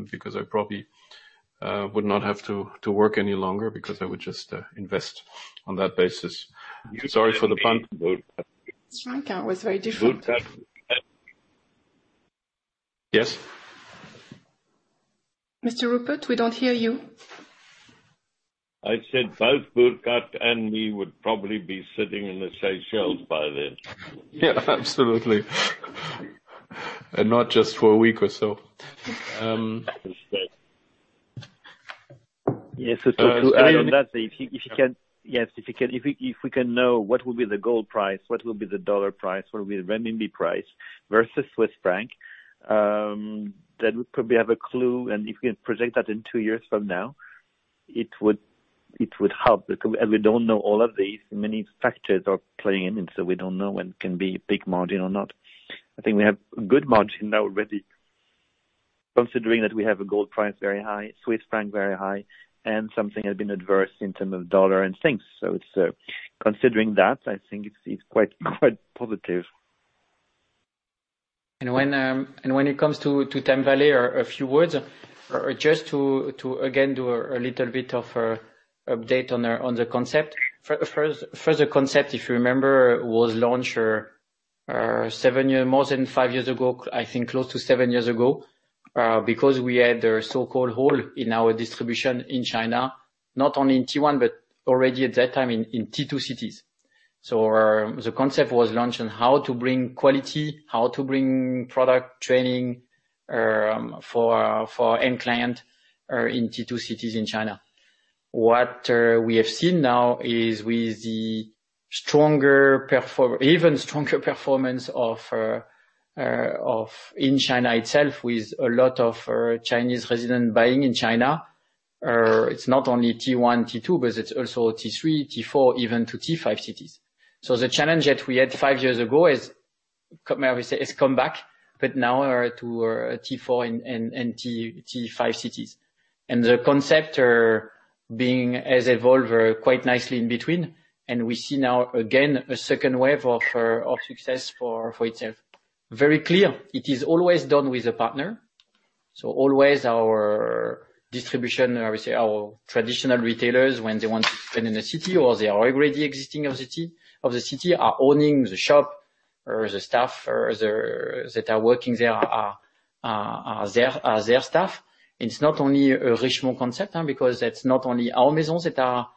because I probably would not have to work any longer because I would just invest on that basis. Sorry for the pun. That was very different. Yes. Mr. Rupert, we don't hear you. I said both Burkhart and me would probably be sitting in the Seychelles by then. Yeah, absolutely. Not just for a week or so. That is sad. Yes. To add on that, if we can know what will be the gold price, what will be the dollar price, what will be the renminbi price versus Swiss franc, we probably have a clue, and if we can project that in two years from now, it would, it would help because we don't know all of these. Many factors are playing in. We don't know when it can be a big margin or not. I think we have a good margin now already considering that we have a gold price very high, Swiss franc very high, and something has been adverse in terms of dollar and things. Considering that, I think it's quite positive. When it comes to TimeVallée, a few words, just to, again, do a little bit of update on the concept. First, the concept, if you remember, was launched more than five years ago, I think close to seven years ago, because we had a so-called hole in our distribution in China, not only in tier 1, but already at that time in tier 2 cities. The concept was launched on how to bring quality, how to bring product training for end client in tier 2 cities in China. What we have seen now is with the even stronger performance of in China itself with a lot of Chinese resident buying in China, it is not only tier 1, tier 2, but it is also tier 3, tier 4, even to tier 5 cities. The challenge that we had five years ago has come back, but now to tier 4 and tier 5 cities. The concept has evolved quite nicely in between, and we see now again a second wave of success for itself. Very clear, it is always done with a partner. Always our distribution, our traditional retailers, when they want to expand in a city or they are already existing of the city, are owning the shop or the staff that are working there are their staff. It's not only a Richemont concept because that's not only our maisons that are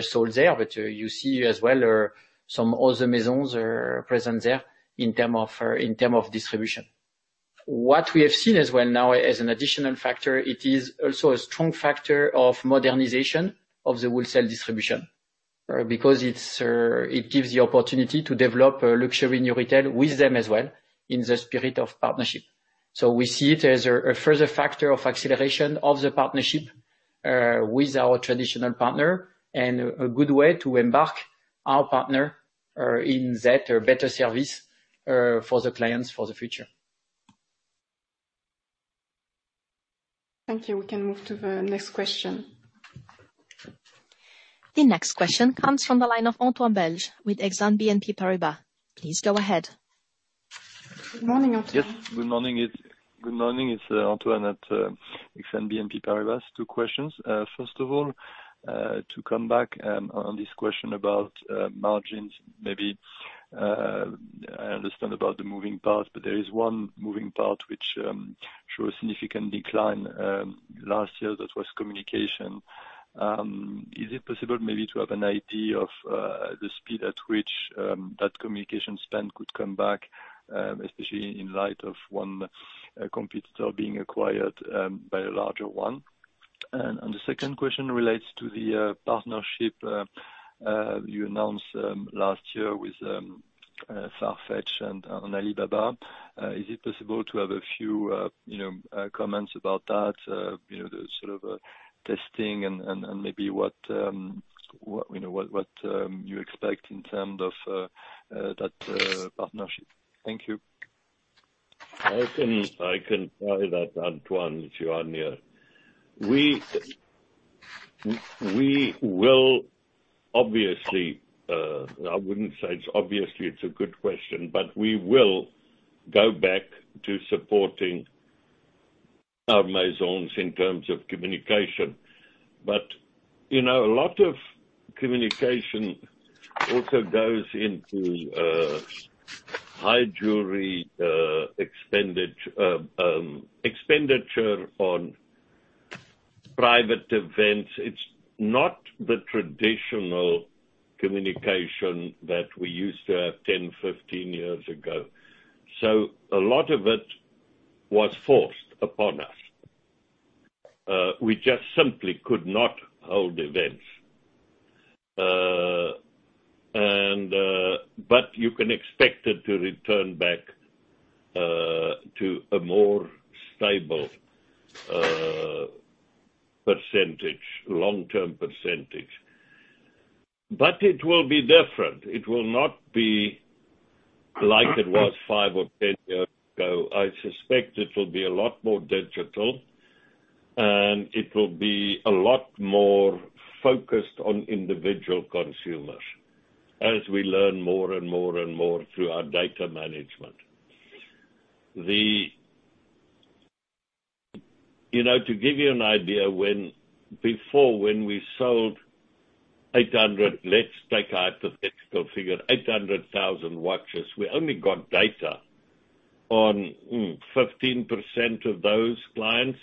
sold there, but you see as well some other maisons are present there in term of distribution. What we have seen as well now as an additional factor, it is also a strong factor of modernization of the wholesale distribution, because it gives the opportunity to develop a luxury new retail with them as well in the spirit of partnership. We see it as a further factor of acceleration of the partnership with our traditional partner and a good way to embark our partner in that better service for the clients for the future. Thank you. We can move to the next question. The next question comes from the line of Antoine Belge with Exane BNP Paribas. Please go ahead. Good morning, Antoine. Yes, good morning. It's Antoine at Exane BNP Paribas. Two questions. First of all, to come back on this question about margins, maybe I understand about the moving parts, but there is one moving part which shows significant decline last year, that was communication. Is it possible maybe to have an idea of the speed at which that communication spend could come back, especially in light of one competitor being acquired by a larger one? The second question relates to the partnership you announced last year with Farfetch and Alibaba. Is it possible to have a few comments about that, the sort of testing and maybe what you expect in terms of that partnership? Thank you. I can try that, Antoine, if you are near. We will obviously, I wouldn't say obviously it's a good question, but we will go back to supporting our maisons in terms of communication. A lot of communication also goes into high jewelry expenditure on private events. It's not the traditional communication that we used to have 10, 15 years ago. A lot of it was forced upon us. We just simply could not hold events. You can expect it to return back to a more stable percentage, long-term percentage. It will be different. It will not be like it was five or 10 years ago. I suspect it will be a lot more digital, and it will be a lot more focused on individual consumers as we learn more and more through our data management. To give you an idea, before, when we sold 800, let's take a hypothetical figure, 800,000 watches, we only got data on 15% of those clients.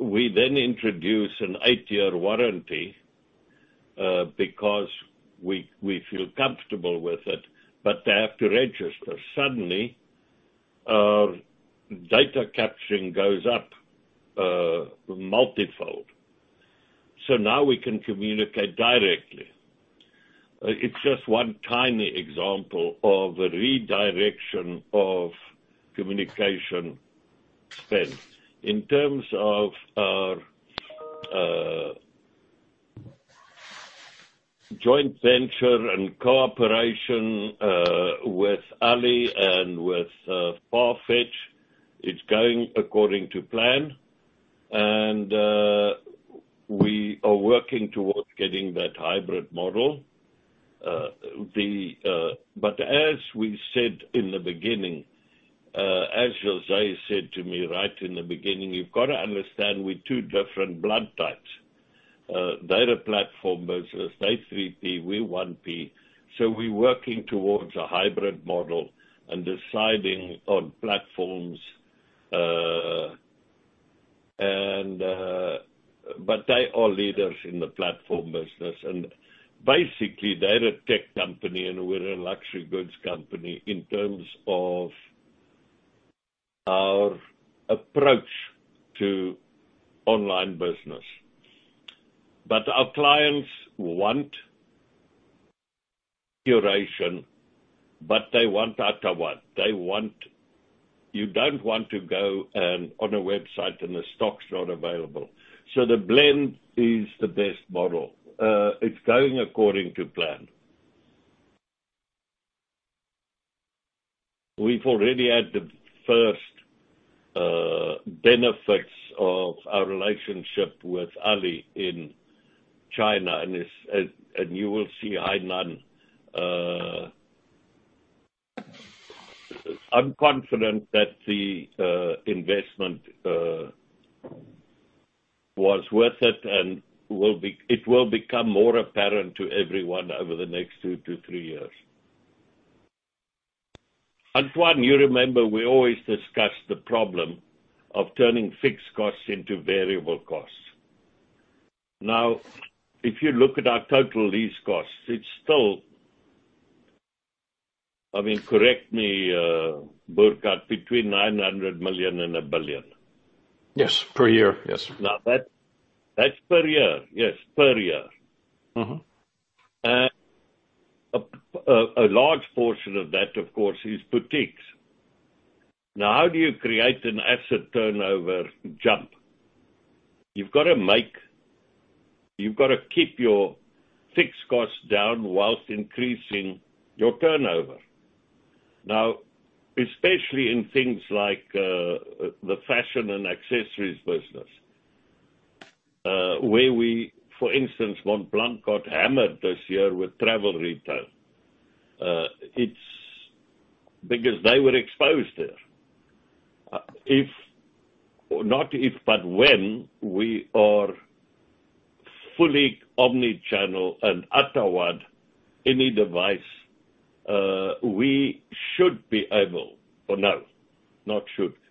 We then introduce an eight-year warranty because we feel comfortable with it, but they have to register. Suddenly, data capturing goes up multifold. Now we can communicate directly. It's just one tiny example of a redirection of communication spend. In terms of our joint venture and cooperation with Ali and with Farfetch, it's going according to plan, and we are working towards getting that hybrid model. As we said in the beginning, as José said to me right in the beginning, you've got to understand we're two different blood types. They're a platform business. They're 3P, we're 1P. We're working towards a hybrid model and deciding on platforms. They are leaders in the platform business, and basically they're a tech company, and we're a luxury goods company in terms of our approach to online business. Our clients want curation, but they want. You don't want to go on a website and the stock's not available. The blend is the best model. It's going according to plan. We've already had the first benefits of our relationship with Alibaba in China, and you will see Hainan. I'm confident that the investment was worth it, and it will become more apparent to everyone over the next two to three years. Antoine Belge, you remember we always discussed the problem of turning fixed costs into variable costs. If you look at our total lease costs, it's still, correct me, Burkhart Grund, between 900 million and 1 billion. Yes. Per year. Yes. That's per year. Yes, per year. A large portion of that, of course, is boutiques. Now, how do you create an asset turnover jump? You've got to keep your fixed costs down while increasing your turnover. Especially in things like the fashion and accessories business, where we, for instance, Montblanc got hammered this year with travel retail. It's because they were exposed there. If, not if, but when we are fully omni-channel and any device, we should be able.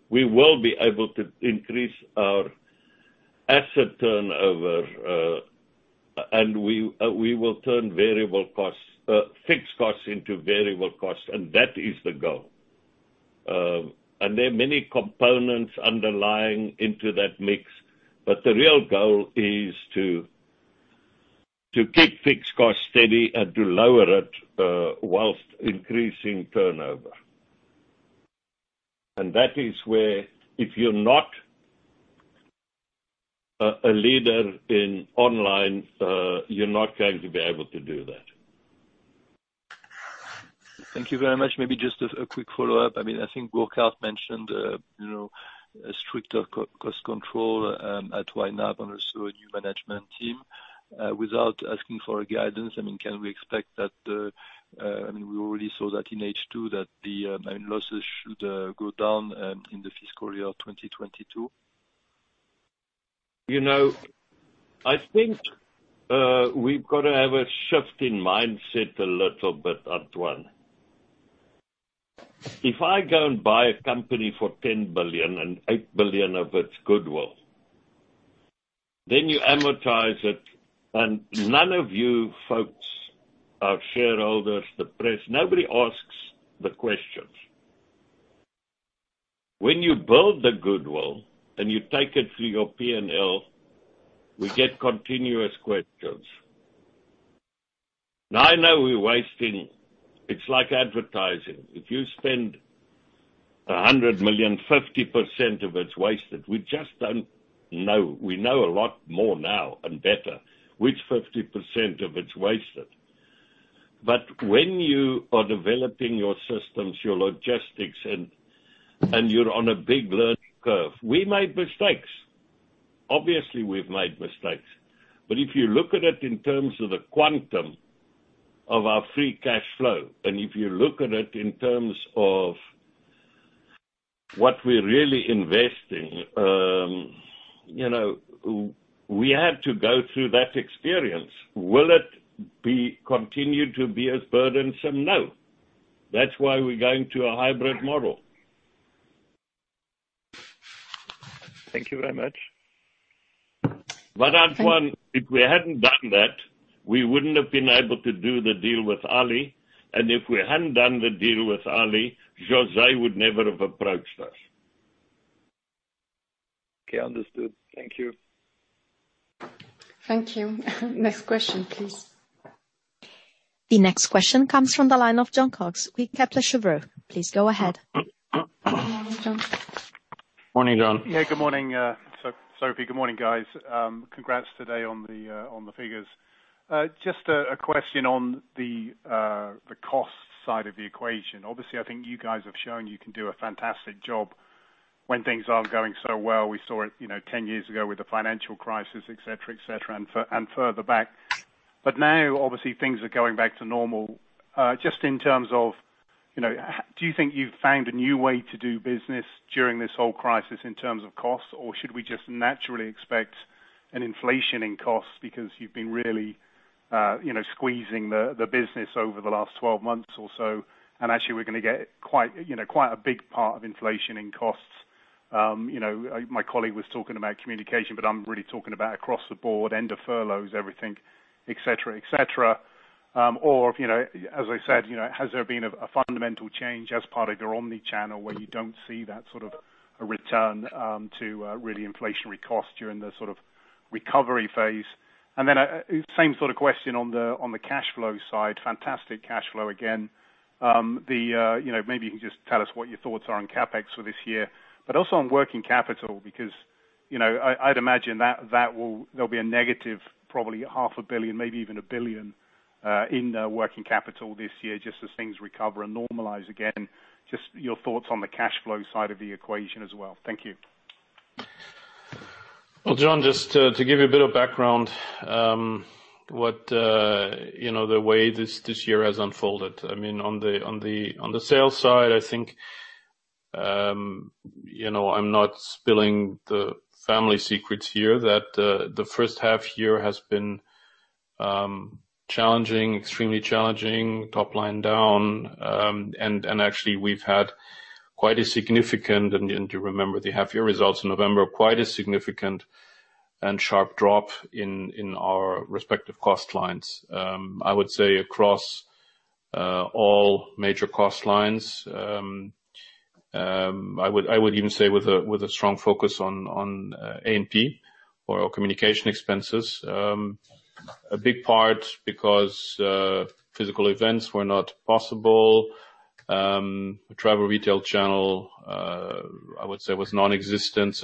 We will be able to increase our asset turnover, we will turn fixed costs into variable costs, that is the goal. There are many components underlying into that mix, but the real goal is to keep fixed costs steady and to lower it while increasing turnover. That is where if you're not a leader in online, you're not going to be able to do that. Thank you very much. Maybe just a quick follow-up. I think Burkhart mentioned stricter cost control at YNAP and also a new management team. Without asking for guidance, can we expect that, we already saw that in H2, that the main losses should go down in the fiscal year 2022? I think we've got to have a shift in mindset a little bit, Antoine. If I go and buy a company for 10 billion and 8 billion of it's goodwill, then you amortize it, and none of you folks, our shareholders, the press, nobody asks the questions. When you build the goodwill and you take it to your P&L, we get continuous questions. Now I know we're wasting. It's like advertising. If you spend 100 million, 50% of it's wasted. We just don't know. We know a lot more now and better which 50% of it's wasted. When you are developing your systems, your logistics, and you're on a big learning curve. We made mistakes. Obviously, we've made mistakes. If you look at it in terms of the quantum of our free cash flow, and if you look at it in terms of what we're really investing, we had to go through that experience. Will it continue to be as burdensome? No. That's why we're going to a hybrid model. Thank you very much. Antoine, if we hadn't done that, we wouldn't have been able to do the deal with Ali. If we hadn't done the deal with Ali, José would never have approached us. Okay, understood. Thank you. Thank you. Next question, please. The next question comes from the line of Jon Cox with Kepler Cheuvreux. Please go ahead. Jon. Morning, Jon. Good morning, Sophie. Good morning, guys. Congrats today on the figures. Just a question on the cost side of the equation. I think you guys have shown you can do a fantastic job when things aren't going so well. We saw it 10 years ago with the financial crisis, etc., and further back. Now, things are going back to normal. Just in terms of, do you think you've found a new way to do business during this whole crisis in terms of cost, or should we just naturally expect an inflation in cost because you've been really squeezing the business over the last 12 months or so, and actually we're going to get quite a big part of inflation in costs? My colleague was talking about communication, I'm really talking about across the board, end of furloughs, everything, etc. As I said, has there been a fundamental change as part of your omni-channel where you don't see that sort of a return to really inflationary cost during the sort of recovery phase? Same sort of question on the cash flow side. Fantastic cash flow again. Maybe you can just tell us what your thoughts are on CapEx for this year, but also on working capital, because, I'd imagine there'll be a negative, probably EUR half a billion, maybe even 1 billion, in working capital this year just as things recover and normalize again. Just your thoughts on the cash flow side of the equation as well. Thank you. Well, Jon, just to give you a bit of background, the way this year has unfolded. On the sales side, I think I'm not spilling the family secrets here that the first half year has been extremely challenging, top line down. Actually, we've had quite a significant, and you have to remember the half year results in November, quite a significant and sharp drop in our respective cost lines. I would say across all major cost lines. I would even say with a strong focus on A&P or our communication expenses. A big part because physical events were not possible. The travel retail channel, I would say, was nonexistent,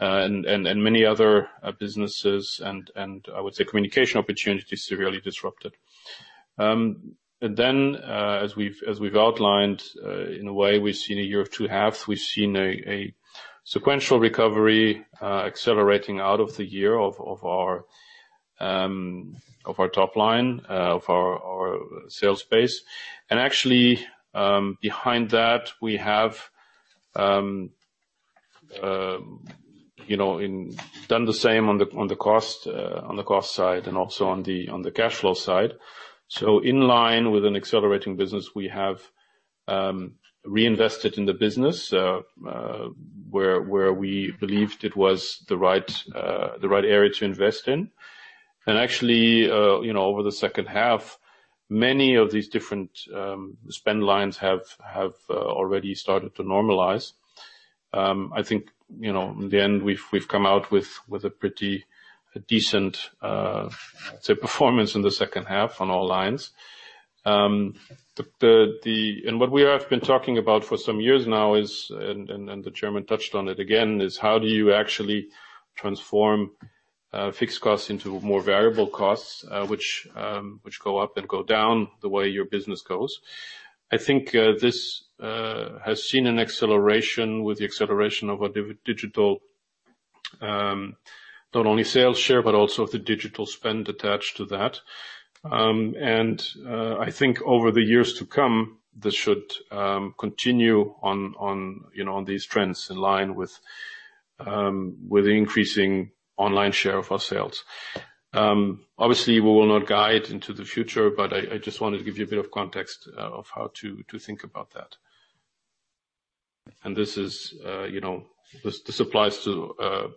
and many other businesses, and I would say communication opportunities severely disrupted. Then, as we've outlined, in a way, we've seen a year of two halves. We've seen a sequential recovery accelerating out of the year of our top line, of our sales base. Actually, behind that, we have done the same on the cost side and also on the cash flow side. In line with an accelerating business, we have reinvested in the business, where we believed it was the right area to invest in. Actually, over the second half, many of these different spend lines have already started to normalize. I think, in the end, we've come out with a pretty decent performance in the second half on all lines. What we have been talking about for some years now is, and the Chairman touched on it again, is how do you actually transform fixed costs into more variable costs, which go up and go down the way your business goes. I think this has seen an acceleration with the acceleration of our digital, not only sales share, but also the digital spend attached to that. I think over the years to come, this should continue on these trends in line with increasing online share of our sales. Obviously, we will not guide into the future, but I just wanted to give you a bit of context of how to think about that. This applies to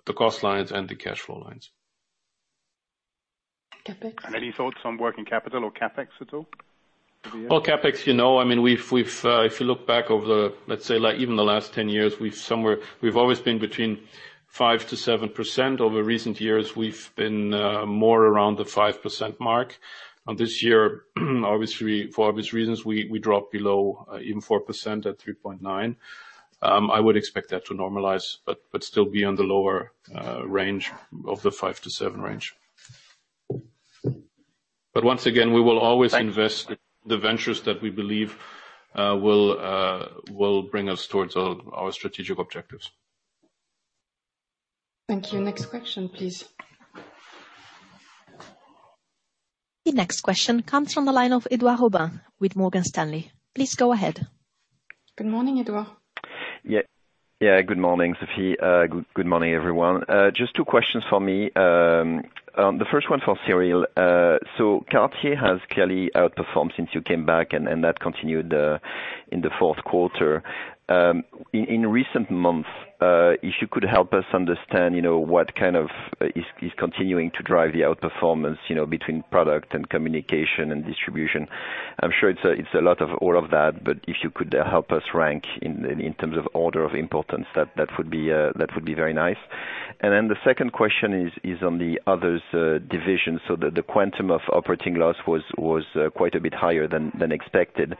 the cost lines and the cash flow lines. Okay. Any thoughts on working capital or CapEx at all? Well, CapEx, if you look back over the, let's say even the last 10 years, we have always been between 5%-7%. Over recent years, we have been more around the 5% mark. This year, for obvious reasons, we dropped below even 4% at 3.9%. I would expect that to normalize, but still be on the lower range of the 5%-7% range. Once again, we will always invest in the ventures that we believe will bring us towards our strategic objectives. Thank you. Next question, please. The next question comes from the line of Edouard Aubin with Morgan Stanley. Please go ahead. Good morning, Edouard. Good morning, Sophie. Good morning, everyone. Just two questions for me. The first one for Cyril. Cartier has clearly outperformed since you came back, and that continued in the fourth quarter. In recent months, if you could help us understand what kind of is continuing to drive the outperformance, between product and communication and distribution. I'm sure it's a lot of all of that, but if you could help us rank in terms of order of importance, that would be very nice. The second question is on the others division, the quantum of operating loss was quite a bit higher than expected.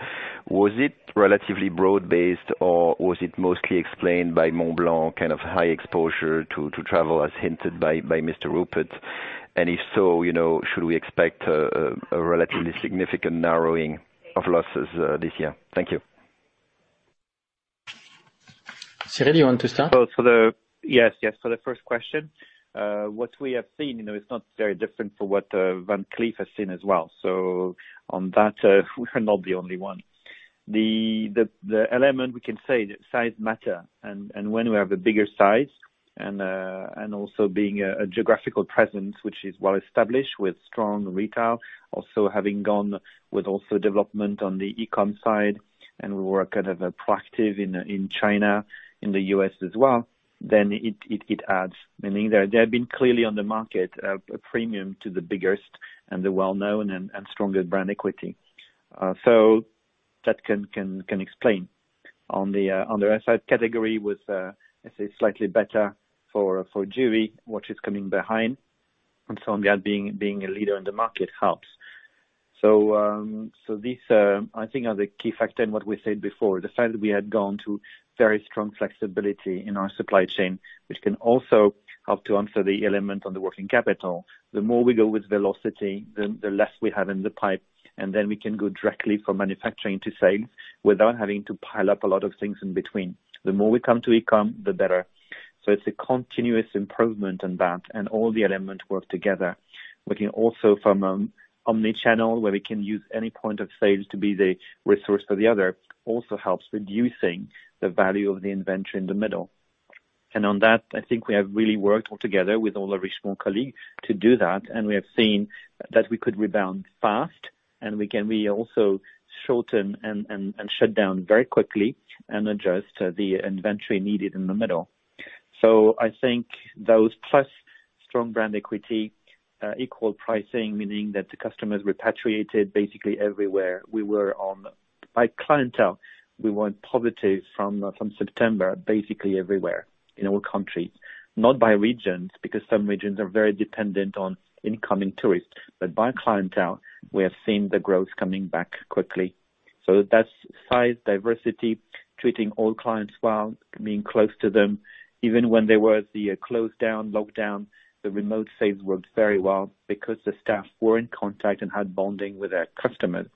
Was it relatively broad-based, or was it mostly explained by Montblanc kind of high exposure to travel, as hinted by Mr. Rupert? If so, should we expect a relatively significant narrowing of losses this year? Thank you. Cyrille, you want to start? Yes. For the first question, what we have seen, it is not very different from what Van Cleef has seen as well. On that, we are not the only one. The element we can say that size matters, and when we have a bigger size and also being a geographical presence, which is well-established with strong retail, also having gone with also development on the e-com side, and we were kind of attractive in China, in the U.S. as well, then it adds. There have been clearly on the market a premium to the biggest and the well-known and stronger brand equity. That can explain. On the other side, category was, let's say slightly better for jewelry, watches coming behind, and so on that being a leader in the market helps. These, I think, are the key factor in what we said before, the fact that we had gone through very strong flexibility in our supply chain, which can also help to answer the element on the working capital. The more we go with velocity, the less we have in the pipe, and then we can go directly from manufacturing to sales without having to pile up a lot of things in between. The more we come to e-com, the better. It's a continuous improvement on that, and all the elements work together. We can also, from an omnichannel, where we can use any point of sale to be the resource for the other, also helps reducing the value of the inventory in the middle. On that, I think we have really worked together with all Richemont colleagues to do that, and we have seen that we could rebound fast, and we can be also shorten and shut down very quickly and adjust the inventory needed in the middle. I think those plus strong brand equity, equal pricing, meaning that the customers repatriated basically everywhere we were on. By clientele, we were positive from September, basically everywhere in all countries. Not by regions, because some regions are very dependent on incoming tourists, but by clientele, we are seeing the growth coming back quickly. That's size, diversity, treating all clients well, being close to them, even when there was the close down, lockdown, the remote sales worked very well because the staff were in contact and had bonding with their customers.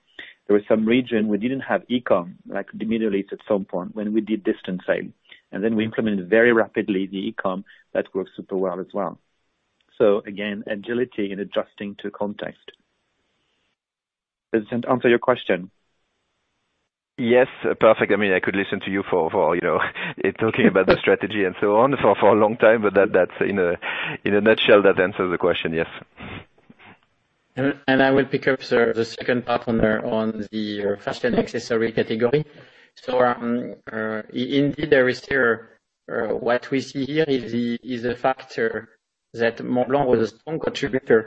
There were some regions we didn't have e-com, like immediately at some point when we did distance sales. We implemented very rapidly the e-com that works super well as well. Again, agility and adjusting to context. Does that answer your question? Yes, perfect. I could listen to you for talking about the strategy and so on for a long time, that in a nutshell, that answers the question, yes. I will pick up, sir, the second part on the fashion accessory category. Indeed, what we see here is a factor that Montblanc was a strong contributor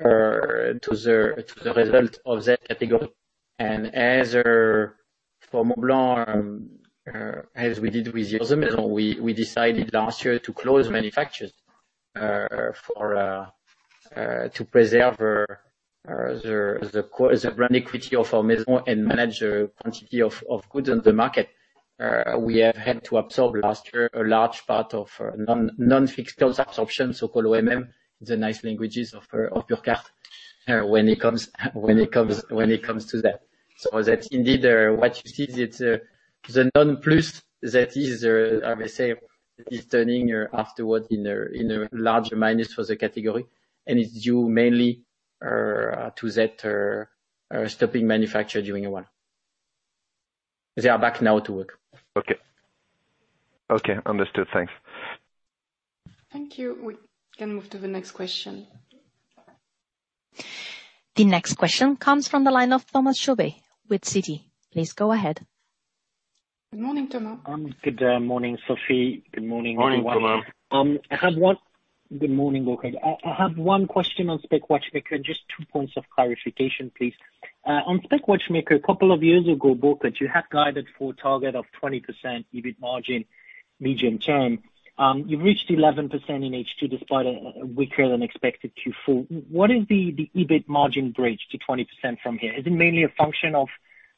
to the result of that category. As for Montblanc, as we did with the maison, we decided last year to close manufactures to preserve the brand equity of our maison and manage the quantity of goods on the market. We have had to absorb last year a large part of non-fixed cost absorption, so-called MM, the nice languages of your car when it comes to that. That indeed what you see, the non plus that is, as I say, is turning afterwards in a larger minus for the category, and it's due mainly to that stopping manufacture during a while. They are back now to work. Okay. Understood. Thanks. Thank you. We can move to the next question. The next question comes from the line of Thomas Chauvet with Citi. Please go ahead. Good morning, Thomas. Good morning, Sophie. Good morning, everyone. Morning, Thomas. Good morning, Burkhart. I have one question on Specialist Watchmaker, just two points of clarification, please? On Specialist Watchmaker, a couple of years ago, Burkhart, you had guided for a target of 20% EBIT margin medium term. You reached 11% in H2 despite a weaker than expected H2. What is the EBIT margin bridge to 20% from here? Is it mainly a function of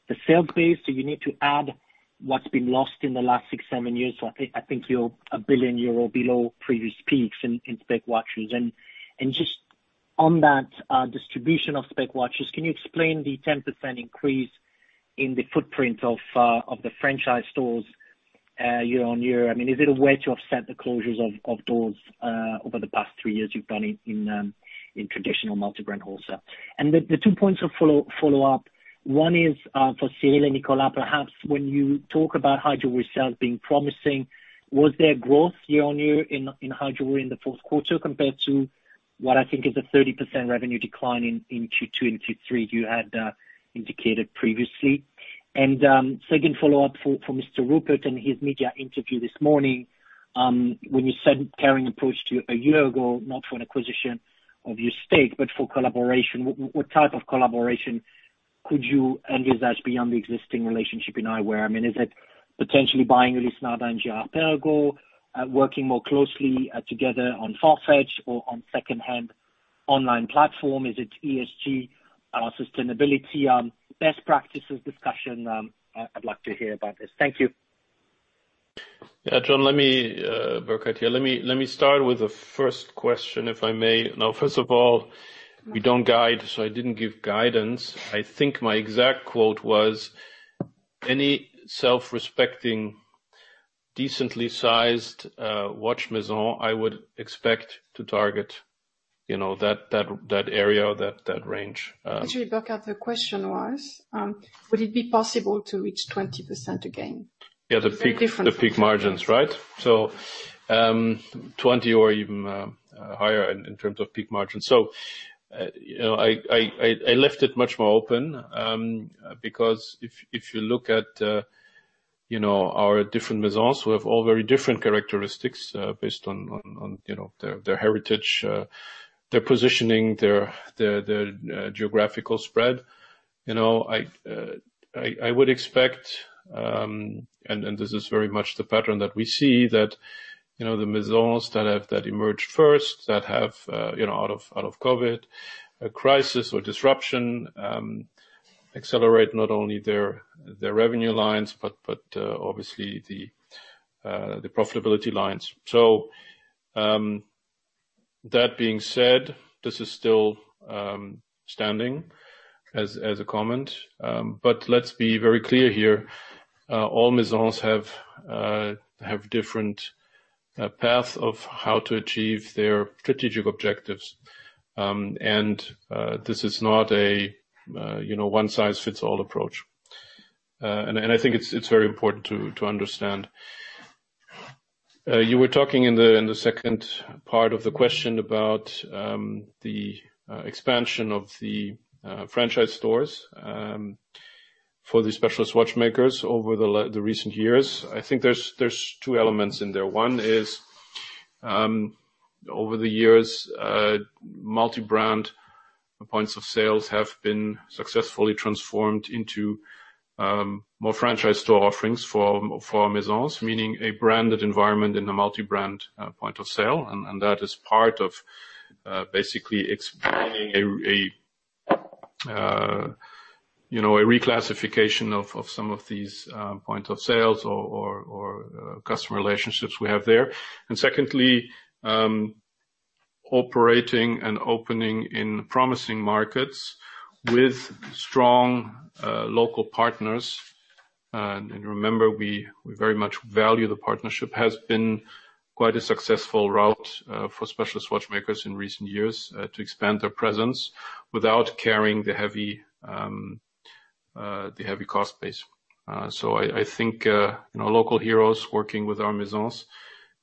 the sale base? Do you need to add what's been lost in the last six, seven years? I think you're 1 billion euro below previous peaks in Specialist Watches. Just on that distribution of Specialist Watches, can you explain the 10% increase in the footprint of the franchise stores year-on-year? I mean, is it a way to offset the closures of doors over the past three years you've done in traditional multi-brand wholesale? The two points of follow-up. One is for Cyrille and Nicolas. Perhaps when you talk about high jewelry sales being promising, was there growth year-on-year in high jewelry in the fourth quarter compared to what I think is a 30% revenue decline in Q2 and Q3 you had indicated previously? Second follow-up for Mr. Rupert and his media interview this morning. When you said Kering approached you a year ago, not for an acquisition of your stake, but for collaboration, what type of collaboration could you envisage beyond the existing relationship you now have? I mean, is it potentially buying Girard-Perregaux, working more closely together on Farfetch or on secondhand online platform? Is it ESG, sustainability, best practices discussion? I'd like to hear about this. Thank you. Yeah. Jon, let me start with the first question, if I may. First of all, we don't guide, so I didn't give guidance. I think my exact quote was, any self-respecting, decently sized watch maison I would expect to target that area, that range. Actually, Burkhart, the question was, would it be possible to reach 20% again? Yeah, the peak margins, right? 20 or even higher in terms of peak margins. I left it much more open, because if you look at our different maisons who have all very different characteristics, based on their heritage, their positioning, their geographical spread. I would expect, and this is very much the pattern that we see, that the maisons that emerged first, that have out of COVID-19, a crisis or disruption, accelerate not only their revenue lines but obviously the profitability lines. That being said, this is still standing as a comment. Let's be very clear here, all maisons have different paths of how to achieve their strategic objectives. This is not a one-size-fits-all approach. I think it's very important to understand. You were talking in the second part of the question about the expansion of the franchise stores, for the Specialist Watchmakers over the recent years. I think there's two elements in there. One is, over the years, multi-brand points of sale have been successfully transformed into more franchise store offerings for maisons, meaning a branded environment in a multi-brand point of sale, and that is part of basically expanding a reclassification of some of these points of sale or customer relationships we have there. Secondly, operating and opening in promising markets with strong local partners. Remember, we very much value the partnership, has been quite a successful route for Specialist Watchmakers in recent years to expand their presence without carrying the heavy cost base. I think, local heroes working with our maisons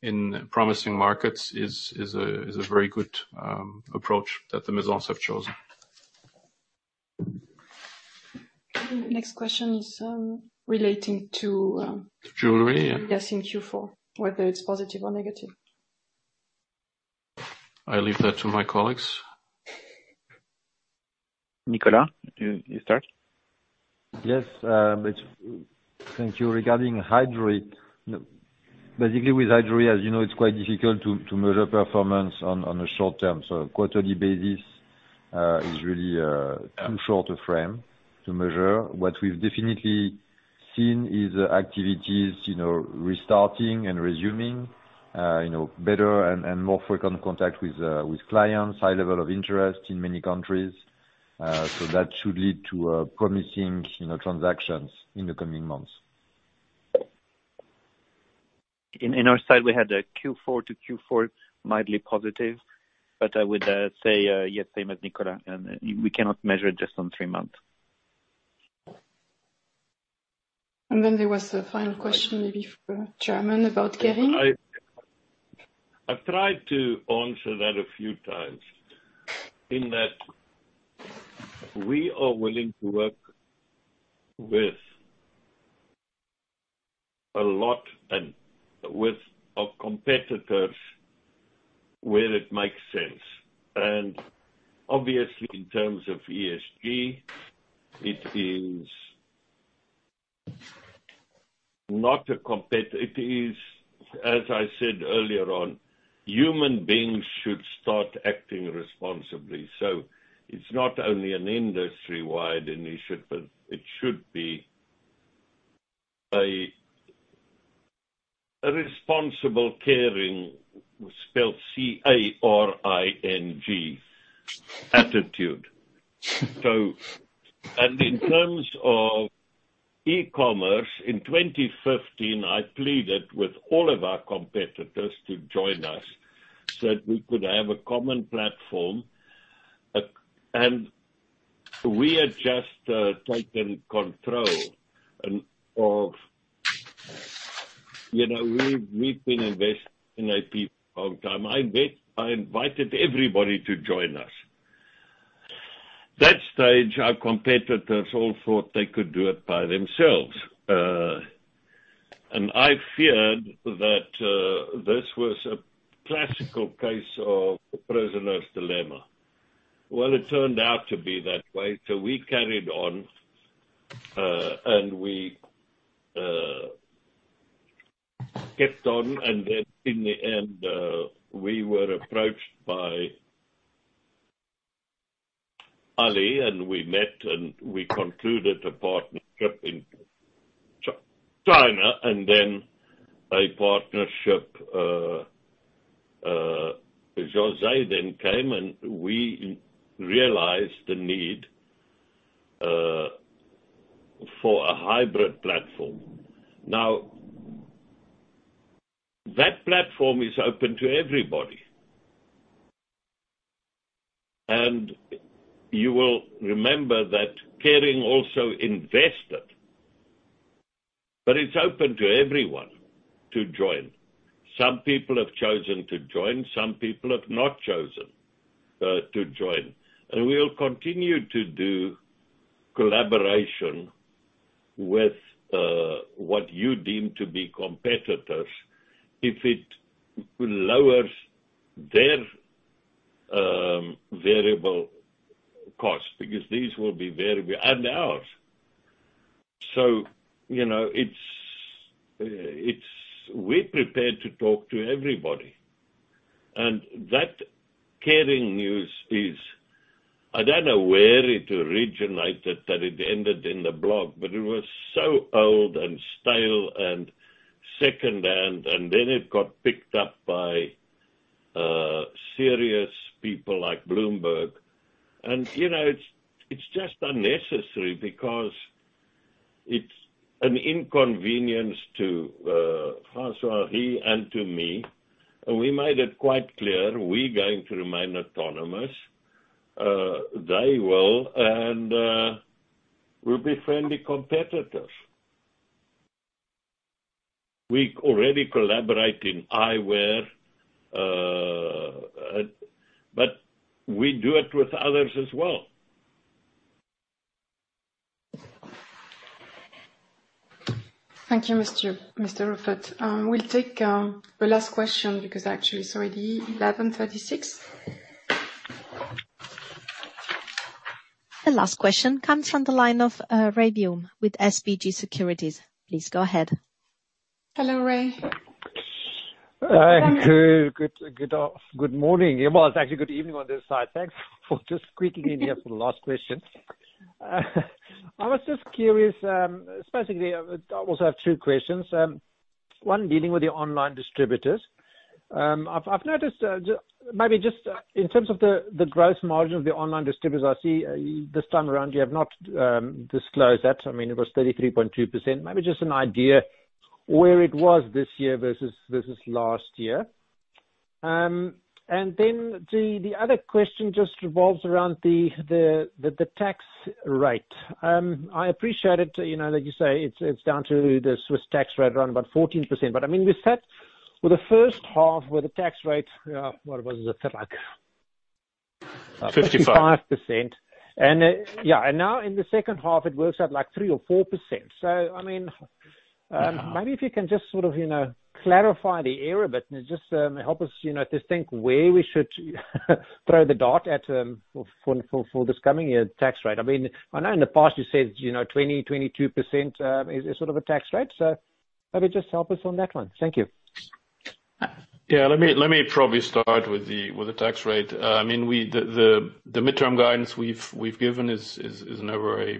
in promising markets is a very good approach that the maisons have chosen. Next question is relating to- Jewelry. Yes, in Q4. Whether it's positive or negative. I leave that to my colleagues. Nicolas, you start? Yes, thank you. Regarding high jewelry. Basically, with high jewelry, as you know, it's quite difficult to measure performance on a short term. Quarterly basis is really a too short a frame to measure. What we've definitely seen is the activities restarting and resuming, better and more frequent contact with clients, high level of interest in many countries. That should lead to promising transactions in the coming months. In our side, we had the Q4 to Q4, mildly positive, but I would say, yes, same as Nicolas. We cannot measure just on three months. There was a final question, maybe for Chairman about Kering. I've tried to answer that a few times, in that we are willing to work with a lot, with our competitors where it makes sense, obviously in terms of ESG, it is not a competitor. It is, as I said earlier on, human beings should start acting responsibly. It's not only an industry-wide initiative, but it should be a responsible caring, spelled C-A-R-I-N-G, attitude. In terms of e-commerce, in 2015, I pleaded with all of our competitors to join us so that we could have a common platform, We've been investing in IP for a long time. I invited everybody to join us. That stage, our competitors all thought they could do it by themselves. I feared that this was a classical case of prisoner's dilemma. Well, it turned out to be that way, so we carried on, and we kept on, and then in the end, we were approached by Alibaba, and we met and we concluded a partnership in China, and then a partnership. José then came, and we realized the need for a hybrid platform. Now, that platform is open to everybody. You will remember that Kering also invested, but it's open to everyone to join. Some people have chosen to join, some people have not chosen to join. We'll continue to do collaboration with what you deem to be competitors if it lowers their variable costs, because these will be variable and ours. We're prepared to talk to everybody. That Kering news is, I don't know where it originated, that it ended in the blog, but it was so old and stale and secondhand, and then it got picked up by serious people like Bloomberg. It's just unnecessary because it's an inconvenience to François-Henri and to me, and we made it quite clear we're going to remain autonomous. They will, and we'll be friendly competitors. We already collaborate in eyewear, but we do it with others as well. Thank you, Mr. Rupert. We will take the last question because actually it is already 11:36 A.M. The last question comes from the line of Ray Deal with SBG Securities. Please go ahead. Hello, Ray. Good morning. Well, it's actually good evening on this side. Thanks for just squeezing me in for the last question. I was just curious, specifically, I also have two questions. One dealing with the online distributors. I've noticed, maybe just in terms of the gross margin of the online distributors, I see this time around you have not disclosed that. I mean, it was 33.2%. Maybe just an idea where it was this year versus last year. The other question just revolves around the tax rate. I appreciate it, like you say, it's down to the Swiss tax rate around about 14%. We sat with the first half where the tax rate, what was it, like? 15. 15%. Now in the second half, it works out like 3% or 4%. Maybe if you can just sort of clarify the area a bit and just help us to think where we should throw the dart at for this coming year tax rate. I know in the past you said 20%, 22% is sort of the tax rate. Maybe just help us on that one. Thank you. Let me probably start with the tax rate. The midterm guidance we've given is never a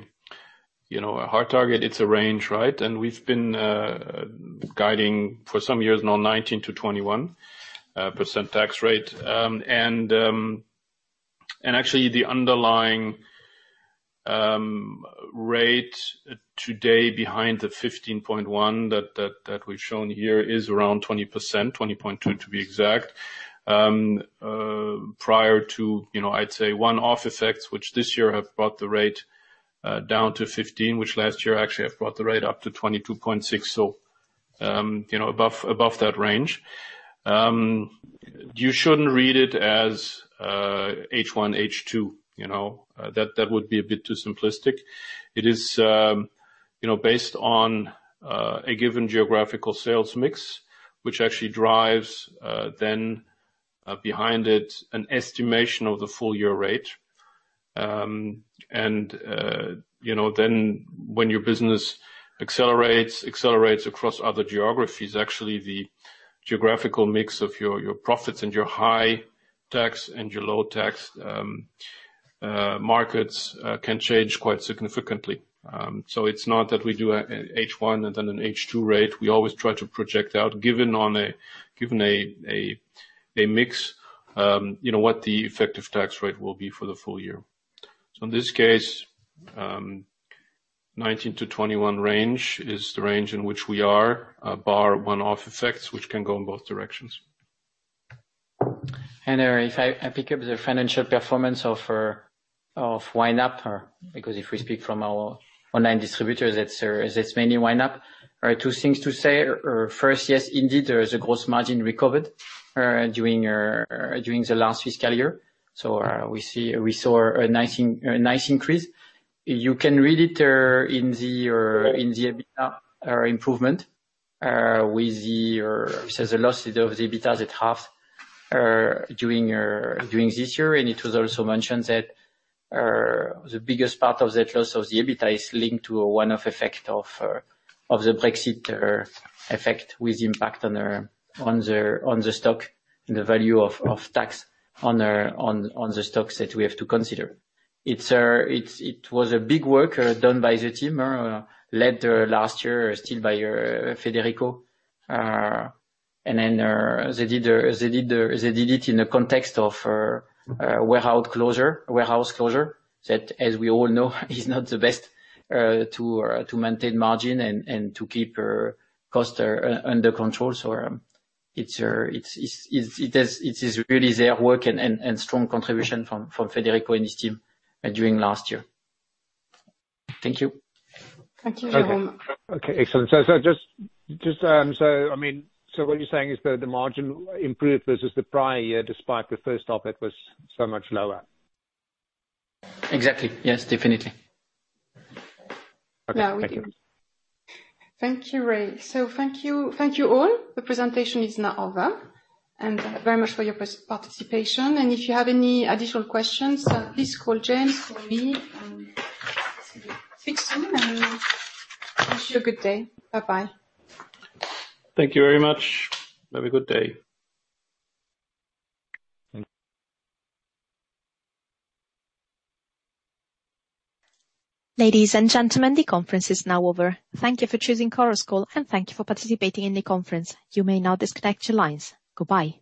hard target. It's a range. We've been guiding for some years now, 19%-21% tax rate. Actually, the underlying rate today behind the 15.1 that we've shown here is around 20%, 20.2 to be exact. Prior to, I'd say one-off effects, which this year have brought the rate down to 15, which last year actually have brought the rate up to 22.6. Above that range. You shouldn't read it as H1, H2. That would be a bit too simplistic. It is based on a given geographical sales mix, which actually drives then behind it an estimation of the full year rate. When your business accelerates across other geographies, actually, the geographical mix of your profits and your high tax and your low tax markets can change quite significantly. It's not that we do an H1 and then an H2 rate. We always try to project out, given a mix, what the effective tax rate will be for the full year. In this case, 19%-21% range is the range in which we are, bar one-off effects, which can go in both directions. If I pick up the financial performance of YNAP, because if we speak from our online distributors, it's mainly YNAP. Two things to say. First, yes, indeed, there is a gross margin recovered during the last fiscal year. We saw a nice increase. You can read it in the EBITDA improvement with the losses of EBITDA that halved during this year. It was also mentioned that the biggest part of that loss of the EBITDA is linked to a one-off effect of the Brexit effect with impact on the stock and the value of tax on the stocks that we have to consider. It was a big work done by the team led last year still by Federico. They did it in the context of warehouse closure, that as we all know, is not the best to maintain margin and to keep cost under control. It is really their work and strong contribution from Federico and his team during last year. Thank you. Thank you. Okay, excellent. What you're saying is that the margin improved versus the prior year, despite the first half, it was so much lower. Exactly. Yes, definitely. Okay. Thank you. Thank you, Ray. Thank you all. The presentation is now over, and thank you very much for your participation. If you have any additional questions, please call James or me, and we'll fix them. Wish you a good day. Bye-bye. Thank you very much. Have a good day. Ladies and gentlemen, the conference is now over. Thank you for choosing Chorus Call, and thank you for participating in the conference. You may now disconnect your lines. Goodbye.